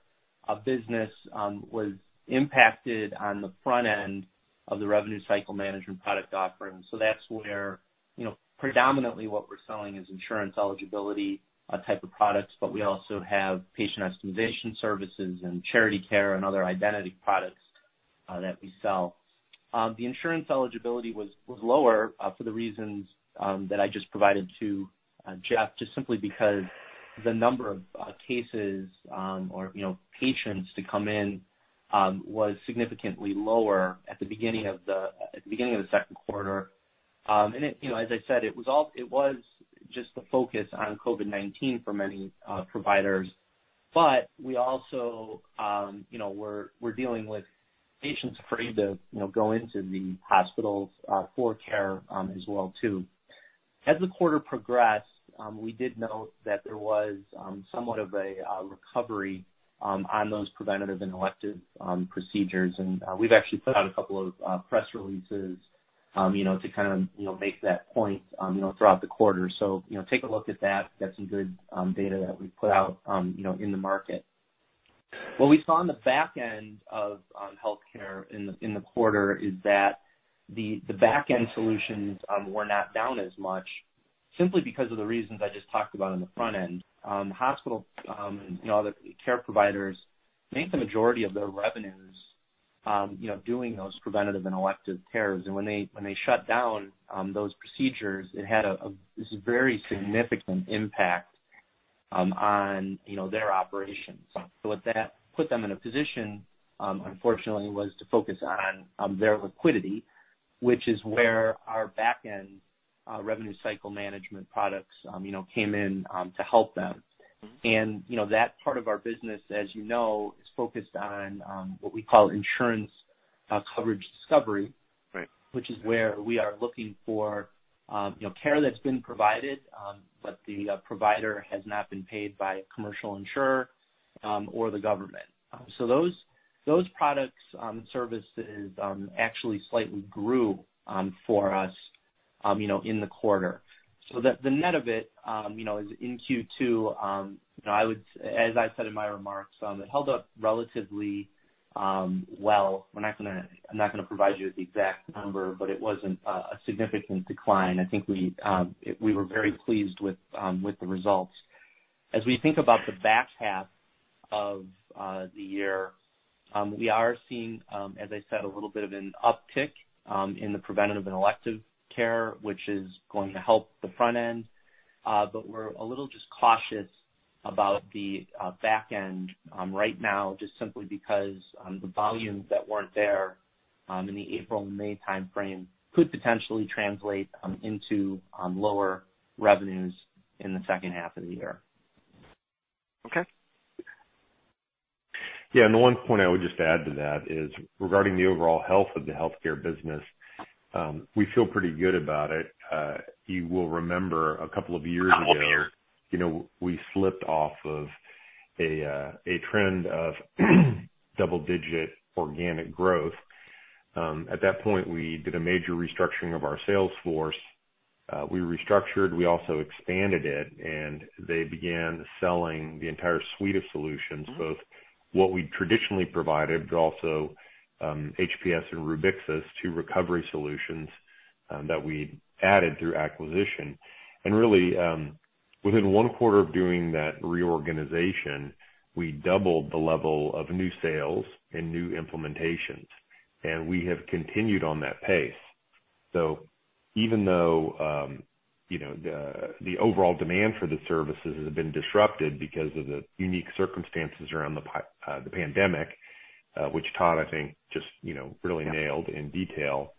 business was impacted on the front end of the revenue cycle management product offering. So that's where predominantly what we're selling is insurance eligibility type of products, but we also have patient optimization services and charity care and other identity products that we sell. The insurance eligibility was lower for the reasons that I just provided to Jeff, just simply because the number of cases or patients to come in was significantly lower at the beginning of the second quarter. And as I said, it was just the focus on COVID-19 for many providers, but we also were dealing with patients afraid to go into the hospitals for care as well too. As the quarter progressed, we did note that there was somewhat of a recovery on those preventative and elective procedures, and we've actually put out a couple of press releases to kind of make that point throughout the quarter. So take a look at that. That's some good data that we've put out in the market. What we saw on the back end of healthcare in the quarter is that the back end solutions were not down as much simply because of the reasons I just talked about on the front end. Hospital and other care providers make the majority of their revenues doing those preventative and elective cares. And when they shut down those procedures, it had a very significant impact on their operations. So what that put them in a position, unfortunately, was to focus on their liquidity, which is where our back end revenue cycle management products came in to help them. And that part of our business, as you know, is focused on what we call Insurance Coverage Discovery, which is where we are looking for care that's been provided, but the provider has not been paid by a commercial insurer or the government. So those products and services actually slightly grew for us in the quarter. So the net of it is in Q2, I would say, as I said in my remarks, it held up relatively well. I'm not going to provide you with the exact number, but it wasn't a significant decline. I think we were very pleased with the results. As we think about the back half of the year, we are seeing, as I said, a little bit of an uptick in the preventative and elective care, which is going to help the front end, but we're a little just cautious about the back end right now just simply because the volumes that weren't there in the April and May timeframe could potentially translate into lower revenues in the second half of the year. Okay. Yeah. And the one point I would just add to that is regarding the overall health of the healthcare business, we feel pretty good about it. You will remember a couple of years ago, we slipped off of a trend of double-digit organic growth. At that point, we did a major restructuring of our sales force. We restructured. We also expanded it, and they began selling the entire suite of solutions, both what we traditionally provided, but also HPS and Rubixis to recovery solutions that we added through acquisition. And really, within one quarter of doing that reorganization, we doubled the level of new sales and new implementations, and we have continued on that pace. So even though the overall demand for the services has been disrupted because of the unique circumstances around the pandemic, which Todd, I think, just really nailed in detail,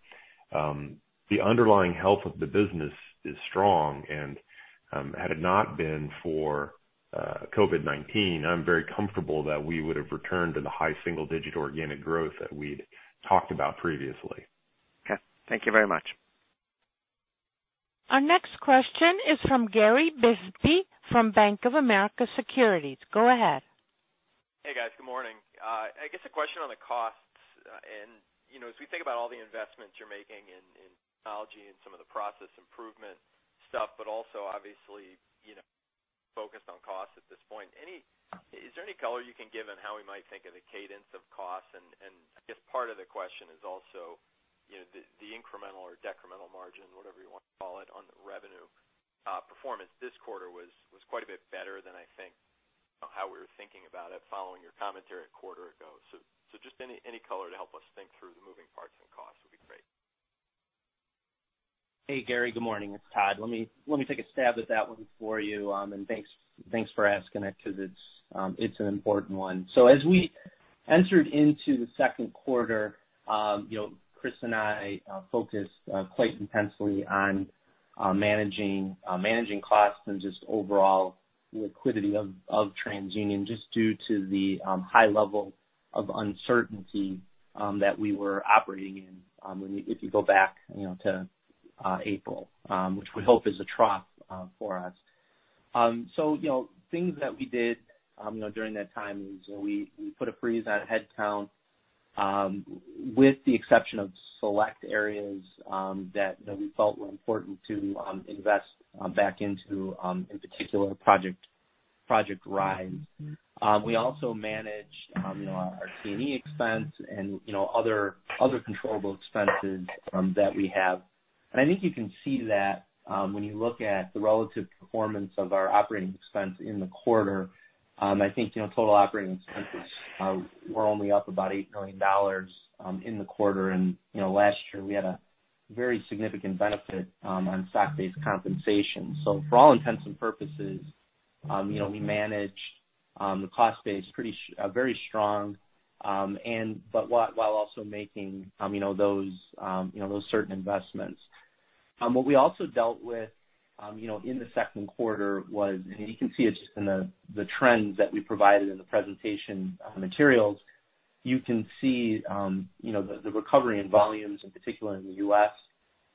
the underlying health of the business is strong. And had it not been for COVID-19, I'm very comfortable that we would have returned to the high single-digit organic growth that we'd talked about previously. Okay. Thank you very much. Our next question is from Gary Bisbee from Bank of America Securities. Go ahead. Hey, guys. Good morning. I guess a question on the costs. As we think about all the investments you're making in technology and some of the process improvement stuff, but also obviously focused on costs at this point, is there any color you can give on how we might think of the cadence of costs? And I guess part of the question is also the incremental or decremental margin, whatever you want to call it, on revenue performance this quarter was quite a bit better than I think how we were thinking about it following your commentary a quarter ago. So just any color to help us think through the moving parts and costs would be great. Hey, Gary. Good morning. It's Todd. Let me take a stab at that one for you. And thanks for asking it because it's an important one. As we entered into the second quarter, Chris and I focused quite intensely on managing costs and just overall liquidity of TransUnion just due to the high level of uncertainty that we were operating in if you go back to April, which we hope is a trough for us. Things that we did during that time is we put a freeze on headcount with the exception of select areas that we felt were important to invest back into, in particular, Project Rise. We also managed our T&E expense and other controllable expenses that we have. I think you can see that when you look at the relative performance of our operating expense in the quarter. I think total operating expenses were only up about $8 million in the quarter. Last year, we had a very significant benefit on stock-based compensation. So for all intents and purposes, we managed the cost base very strong, but while also making those certain investments. What we also dealt with in the second quarter was, and you can see it just in the trends that we provided in the presentation materials, you can see the recovery in volumes, in particular in the U.S.,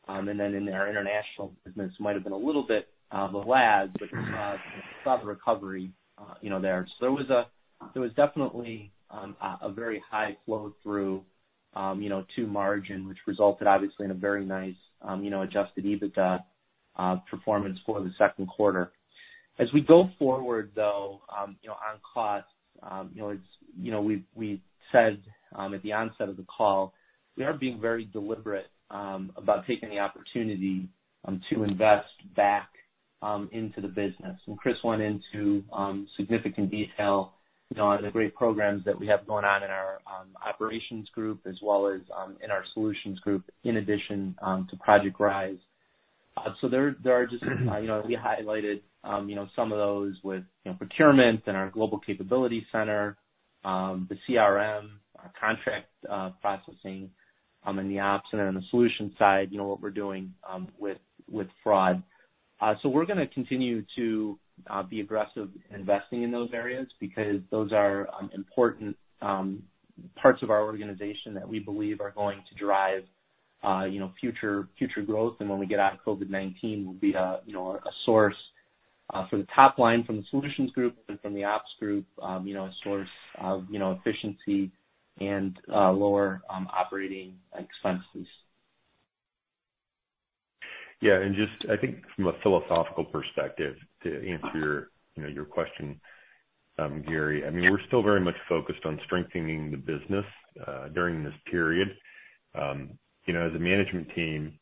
and then in our International business might have been a little bit of a lag, but we saw the recovery there. So there was definitely a very high flow-through to margin, which resulted obviously in a very nice Adjusted EBITDA performance for the second quarter. As we go forward, though, on costs, we said at the onset of the call, we are being very deliberate about taking the opportunity to invest back into the business. And Chris went into significant detail on the great programs that we have going on in our operations group as well as in our solutions group in addition to Project Rise. So there are just we highlighted some of those with procurement and our Global Capability Center, the CRM, contract processing, and the ops and then on the solution side, what we're doing with fraud. So we're going to continue to be aggressive investing in those areas because those are important parts of our organization that we believe are going to drive future growth. And when we get out of COVID-19, we'll be a source for the top line from the solutions group and from the ops group, a source of efficiency and lower operating expenses. Yeah. And, just, I think, from a philosophical perspective, to answer your question, Gary, I mean, we're still very much focused on strengthening the business during this period. As a management team,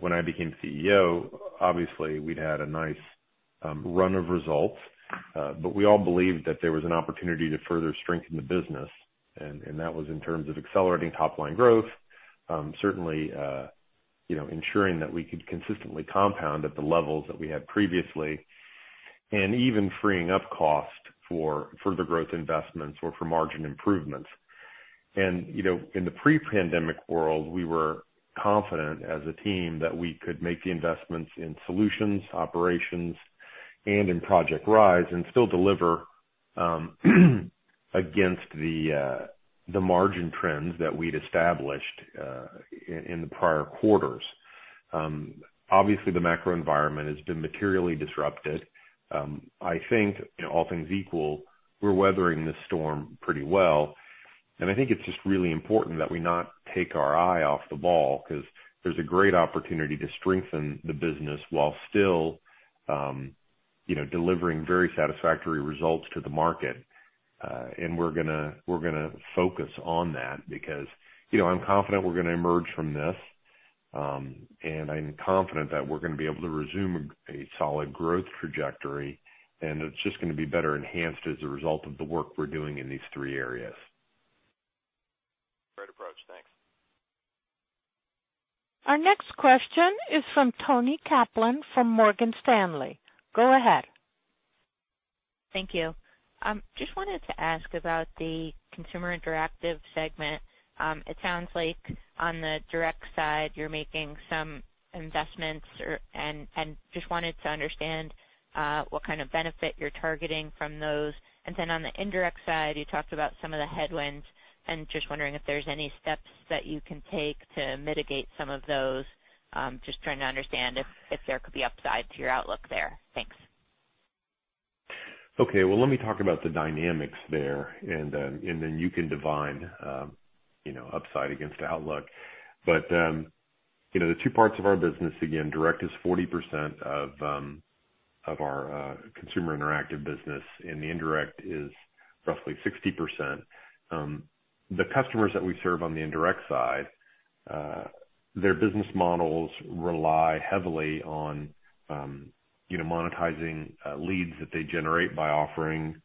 when I became CEO, obviously, we'd had a nice run of results, but we all believed that there was an opportunity to further strengthen the business. And that was in terms of accelerating top-line growth, certainly ensuring that we could consistently compound at the levels that we had previously, and even freeing up costs for further growth investments or for margin improvements. And in the pre-pandemic world, we were confident as a team that we could make the investments in solutions, operations, and in Project Rise and still deliver against the margin trends that we'd established in the prior quarters. Obviously, the macro environment has been materially disrupted. I think, all things equal, we're weathering this storm pretty well. And I think it's just really important that we not take our eye off the ball because there's a great opportunity to strengthen the business while still delivering very satisfactory results to the market. And we're going to focus on that because I'm confident we're going to emerge from this, and I'm confident that we're going to be able to resume a solid growth trajectory, and it's just going to be better enhanced as a result of the work we're doing in these three areas. Great approach. Thanks. Our next question is from Toni Kaplan from Morgan Stanley. Go ahead. Thank you. Just wanted to ask about the consumer interactive segment. It sounds like on the direct side, you're making some investments and just wanted to understand what kind of benefit you're targeting from those. And then on the indirect side, you talked about some of the headwinds and just wondering if there's any steps that you can take to mitigate some of those, just trying to understand if there could be upside to your outlook there. Thanks. Okay. Well, let me talk about the dynamics there, and then you can divide upside against outlook. But the two parts of our business, again, direct is 40% of our consumer interactive business, and the indirect is roughly 60%. The customers that we serve on the indirect side, their business models rely heavily on monetizing leads that they generate by offering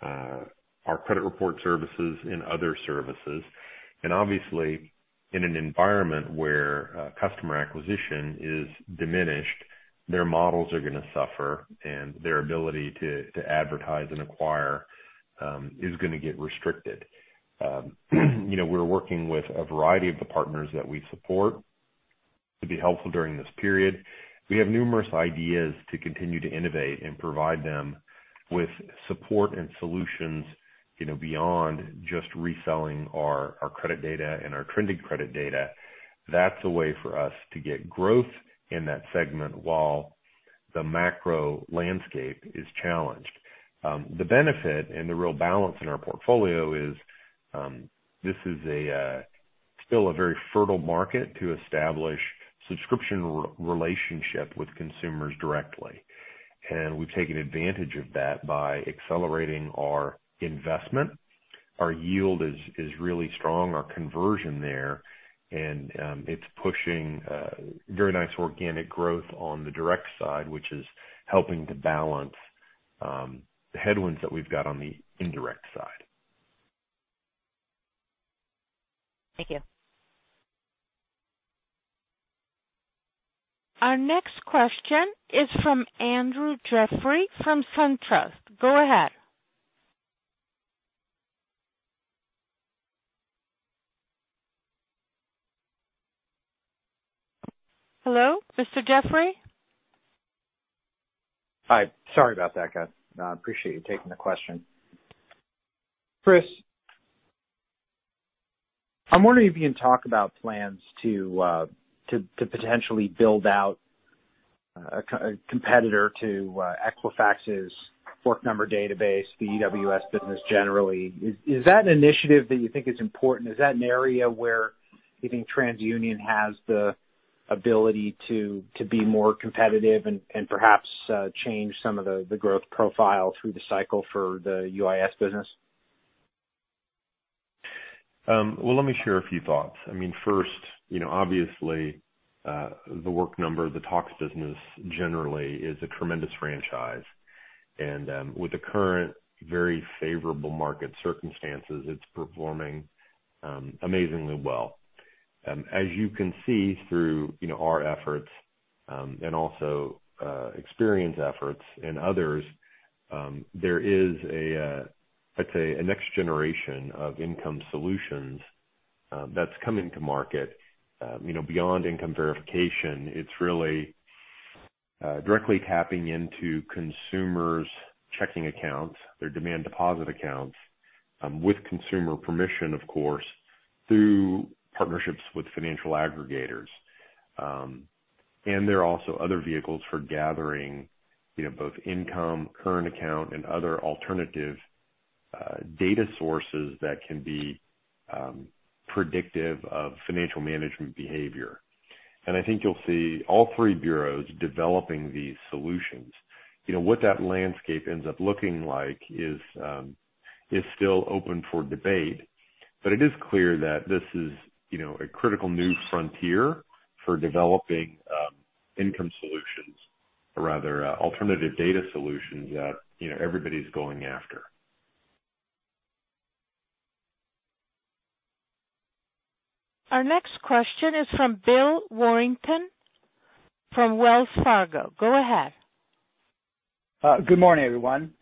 our credit report services and other services. And obviously, in an environment where customer acquisition is diminished, their models are going to suffer, and their ability to advertise and acquire is going to get restricted. We're working with a variety of the partners that we support to be helpful during this period. We have numerous ideas to continue to innovate and provide them with support and solutions beyond just reselling our credit data and our trending credit data. That's a way for us to get growth in that segment while the macro landscape is challenged. The benefit and the real balance in our portfolio is this is still a very fertile market to establish subscription relationships with consumers directly. And we've taken advantage of that by accelerating our investment. Our yield is really strong. Our conversion there, and it's pushing very nice organic growth on the direct side, which is helping to balance the headwinds that we've got on the indirect side. Thank you. Our next question is from Andrew Jeffrey from SunTrust. Go ahead. Hello, Mr. Jeffrey? Hi. Sorry about that, guys. I appreciate you taking the question. Chris, I'm wondering if you can talk about plans to potentially build out a competitor to Equifax's Work Number database, the EWS business generally. Is that an initiative that you think is important? Is that an area where you think TransUnion has the ability to be more competitive and perhaps change some of the growth profile through the cycle for the UIS business? Well, let me share a few thoughts. I mean, first, obviously, the Work Number, the EWS business generally is a tremendous franchise. And with the current very favorable market circumstances, it's performing amazingly well. As you can see through our efforts and also Experian efforts and others, there is, I'd say, a next generation of income solutions that's coming to market. Beyond income verification, it's really directly tapping into consumers' checking accounts, their demand deposit accounts with consumer permission, of course, through partnerships with financial aggregators. There are also other vehicles for gathering both income, current account, and other alternative data sources that can be predictive of financial management behavior. I think you'll see all three bureaus developing these solutions. What that landscape ends up looking like is still open for debate, but it is clear that this is a critical new frontier for developing income solutions, rather, alternative data solutions that everybody's going after. Our next question is from Bill Warmington from Wells Fargo. Go ahead. Good morning, everyone.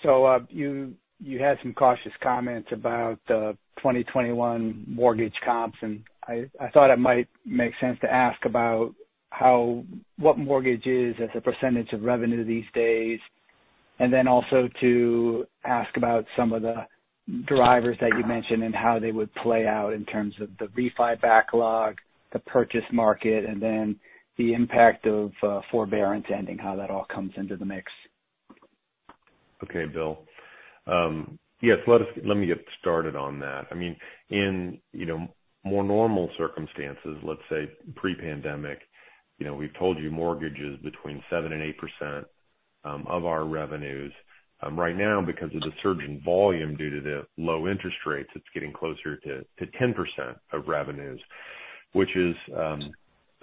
You had some cautious comments about the 2021 mortgage comps, and I thought it might make sense to ask about what mortgage is as a percentage of revenue these days, and then also to ask about some of the drivers that you mentioned and how they would play out in terms of the refi backlog, the purchase market, and then the impact of forbearance ending, how that all comes into the mix. Okay, Bill. Yes, let me get started on that. I mean, in more normal circumstances, let's say pre-pandemic, we've told you mortgages between 7% and 8% of our revenues. Right now, because of the surge in volume due to the low interest rates, it's getting closer to 10% of revenues, which is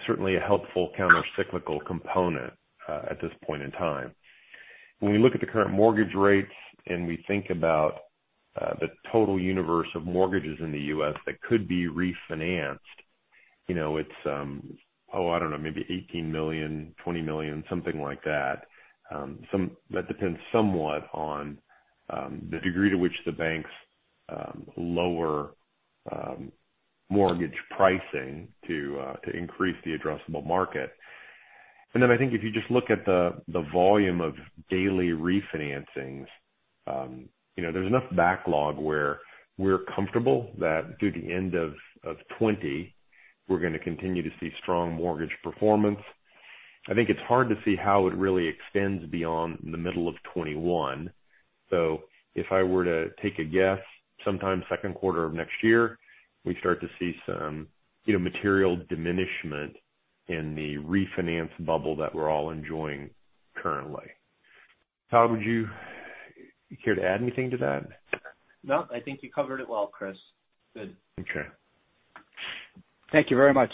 certainly a helpful countercyclical component at this point in time. When we look at the current mortgage rates and we think about the total universe of mortgages in the U.S. that could be refinanced, it's, oh, I don't know, maybe 18 million, 20 million, something like that. That depends somewhat on the degree to which the banks lower mortgage pricing to increase the addressable market. And then I think if you just look at the volume of daily refinancings, there's enough backlog where we're comfortable that through the end of 2020, we're going to continue to see strong mortgage performance. I think it's hard to see how it really extends beyond the middle of 2021. So if I were to take a guess, sometime second quarter of next year, we start to see some material diminishment in the refinance bubble that we're all enjoying currently. How would you care to add anything to that? No, I think you covered it well, Chris. Good. Okay. Thank you very much.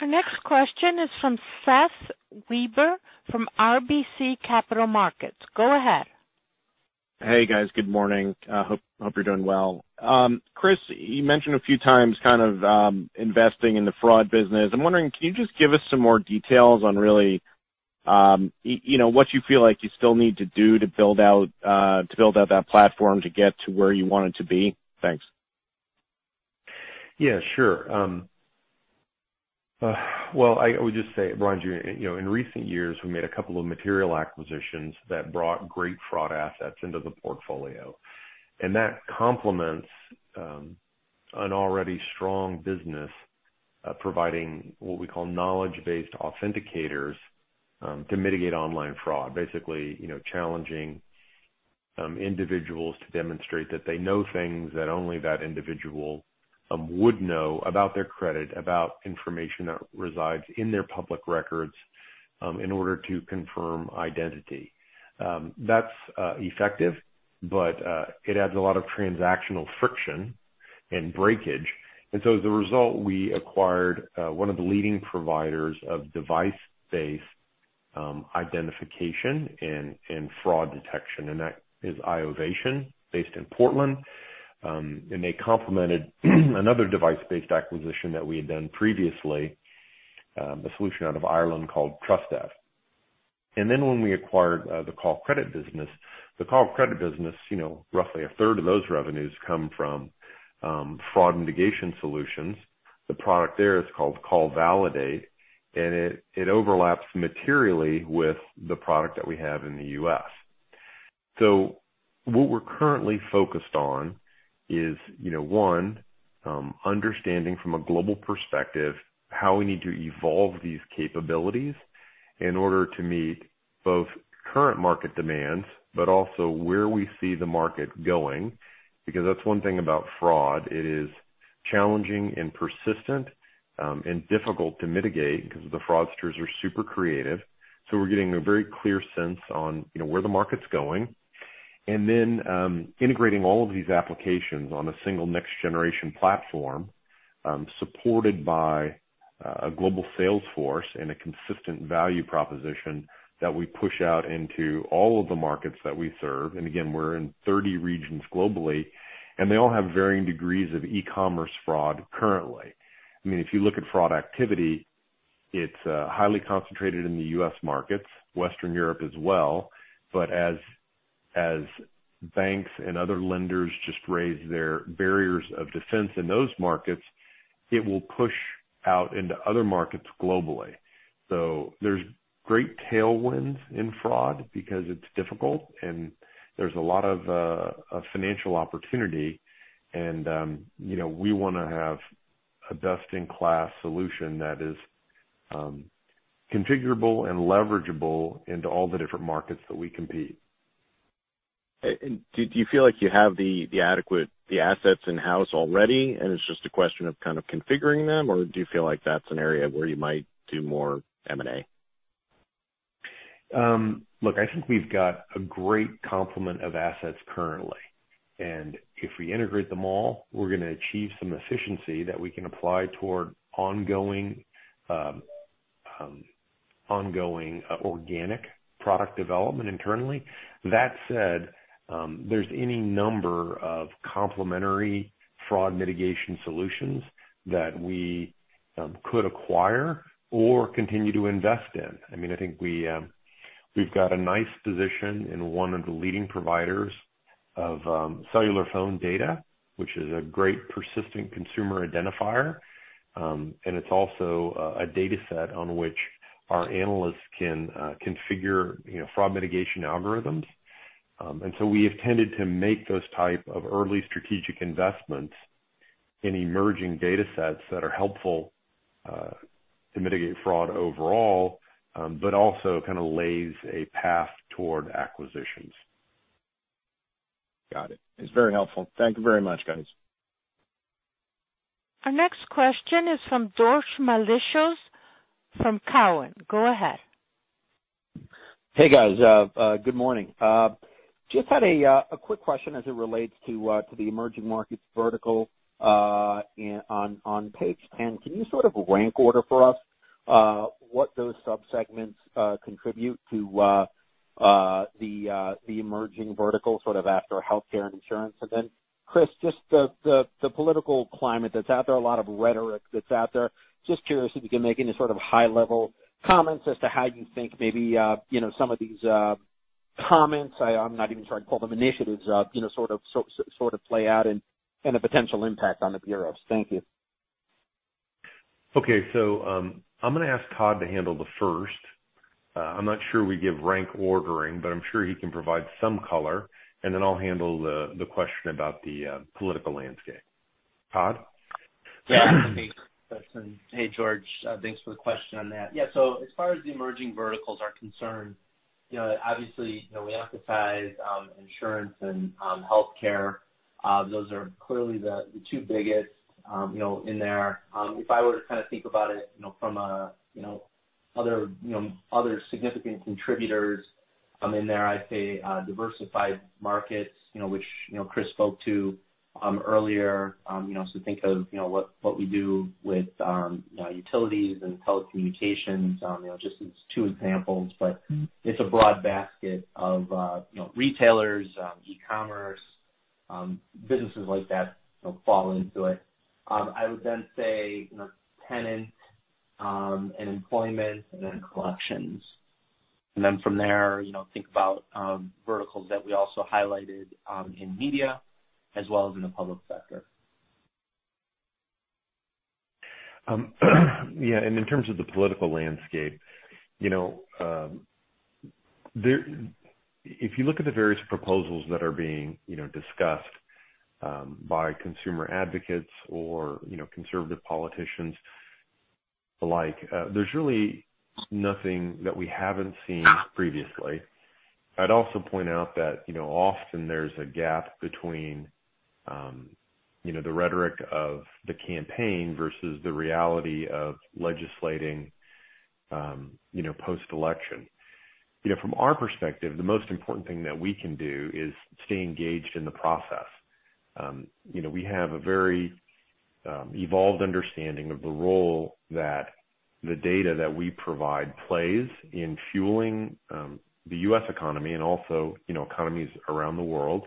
Our next question is from Seth Weber from RBC Capital Markets. Go ahead. Hey, guys. Good morning. I hope you're doing well. Chris, you mentioned a few times kind of investing in the fraud business. I'm wondering, can you just give us some more details on really what you feel like you still need to do to build out that platform to get to where you want it to be? Thanks. Yeah, sure. Well, I would just say, in recent years, we made a couple of material acquisitions that brought great fraud assets into the portfolio. And that complements an already strong business providing what we call knowledge-based authenticators to mitigate online fraud, basically challenging individuals to demonstrate that they know things that only that individual would know about their credit, about information that resides in their public records in order to confirm identity. That's effective, but it adds a lot of transactional friction and breakage. And so as a result, we acquired one of the leading providers of device-based identification and fraud detection, and that is Iovation based in Portland. And they complemented another device-based acquisition that we had done previously, a solution out of Ireland called Trustev. And then when we acquired the Callcredit business, the Callcredit business, roughly a third of those revenues come from fraud mitigation solutions. The product there is called CallValidate, and it overlaps materially with the product that we have in the U.S. So what we're currently focused on is, one, understanding from a global perspective how we need to evolve these capabilities in order to meet both current market demands, but also where we see the market going. Because that's one thing about fraud. It is challenging and persistent and difficult to mitigate because the fraudsters are super creative. So we're getting a very clear sense on where the market's going. And then integrating all of these applications on a single next-generation platform supported by a global sales force and a consistent value proposition that we push out into all of the markets that we serve. And again, we're in 30 regions globally, and they all have varying degrees of e-commerce fraud currently. I mean, if you look at fraud activity, it's highly concentrated in the U.S. Markets, Western Europe as well. But as banks and other lenders just raise their barriers of defense in those markets, it will push out into other markets globally. So there's great tailwinds in fraud because it's difficult, and there's a lot of financial opportunity. And we want to have a best-in-class solution that is configurable and leverageable into all the different markets that we compete. And do you feel like you have the adequate assets in-house already, and it's just a question of kind of configuring them, or do you feel like that's an area where you might do more M&A? Look, I think we've got a great complement of assets currently. And if we integrate them all, we're going to achieve some efficiency that we can apply toward ongoing organic product development internally. That said, there's any number of complementary fraud mitigation solutions that we could acquire or continue to invest in. I mean, I think we've got a nice position in one of the leading providers of cellular phone data, which is a great persistent consumer identifier. And it's also a dataset on which our analysts can configure fraud mitigation algorithms. And so we have tended to make those types of early strategic investments in emerging datasets that are helpful to mitigate fraud overall, but also kind of lays a path toward acquisitions. Got it. It's very helpful. Thank you very much, guys. Our next question is from George Mihalos from Cowen. Go ahead. Hey, guys. Good morning. Just had a quick question as it relates to the emerging markets vertical on page. And can you sort of rank order for us what those subsegments contribute to the emerging vertical sort of after healthcare and insurance? And then, Chris, just the political climate that's out there, a lot of rhetoric that's out there. Just curious if you can make any sort of high-level comments as to how you think maybe some of these comments, I'm not even sure I'd call them initiatives, sort of play out and the potential impact on the bureaus. Thank you. Okay, so I'm going to ask Todd to handle the first. I'm not sure we give rank ordering, but I'm sure he can provide some color. And then I'll handle the question about the political landscape. Todd? Yeah. Hey, George. Thanks for the question on that. Yeah, so as far as the emerging verticals are concerned, obviously, we emphasize insurance and healthcare. Those are clearly the two biggest in there. If I were to kind of think about it from other significant contributors in there, I'd say Diversified Markets, which Chris spoke to earlier. So think of what we do with utilities and telecommunications. Just as two examples, but it's a broad basket of retailers, e-commerce, businesses like that fall into it. I would then say Tenant and Employment and then Collections. And then from there, think about verticals that we also highlighted in Media as well as in the Public Sector. Yeah. And in terms of the political landscape, if you look at the various proposals that are being discussed by consumer advocates or conservative politicians alike, there's really nothing that we haven't seen previously. I'd also point out that often there's a gap between the rhetoric of the campaign versus the reality of legislating post-election. From our perspective, the most important thing that we can do is stay engaged in the process. We have a very evolved understanding of the role that the data that we provide plays in fueling the U.S. economy and also economies around the world.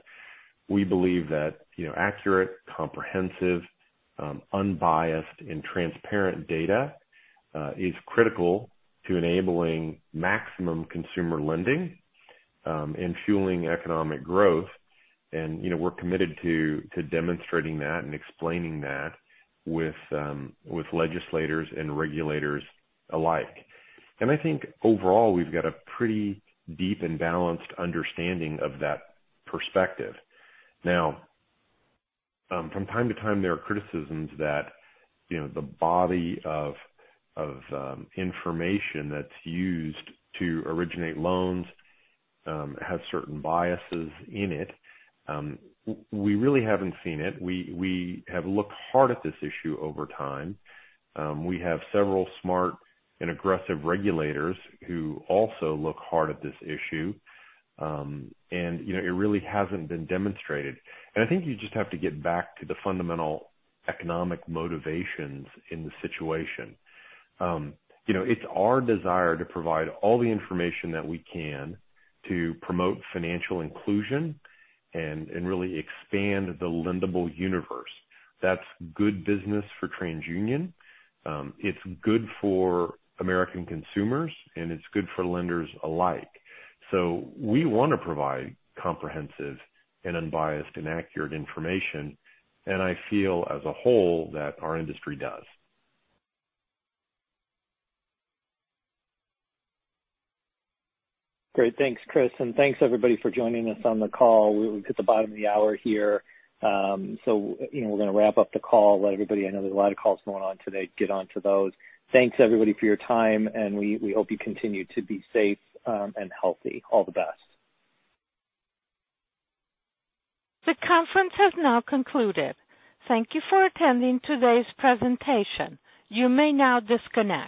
We believe that accurate, comprehensive, unbiased, and transparent data is critical to enabling maximum consumer lending and fueling economic growth. And we're committed to demonstrating that and explaining that with legislators and regulators alike. And I think overall, we've got a pretty deep and balanced understanding of that perspective. Now, from time to time, there are criticisms that the body of information that's used to originate loans has certain biases in it. We really haven't seen it. We have looked hard at this issue over time. We have several smart and aggressive regulators who also look hard at this issue. And it really hasn't been demonstrated. And I think you just have to get back to the fundamental economic motivations in the situation. It's our desire to provide all the information that we can to promote financial inclusion and really expand the lendable universe. That's good business for TransUnion. It's good for American consumers, and it's good for lenders alike. So we want to provide comprehensive and unbiased and accurate information. And I feel as a whole that our industry does. Great. Thanks, Chris. And thanks, everybody, for joining us on the call. We're at the bottom of the hour here. So we're going to wrap up the call. Let everybody—I know there's a lot of calls going on today—get on to those. Thanks, everybody, for your time. And we hope you continue to be safe and healthy. All the best. The conference has now concluded. Thank you for attending today's presentation. You may now disconnect.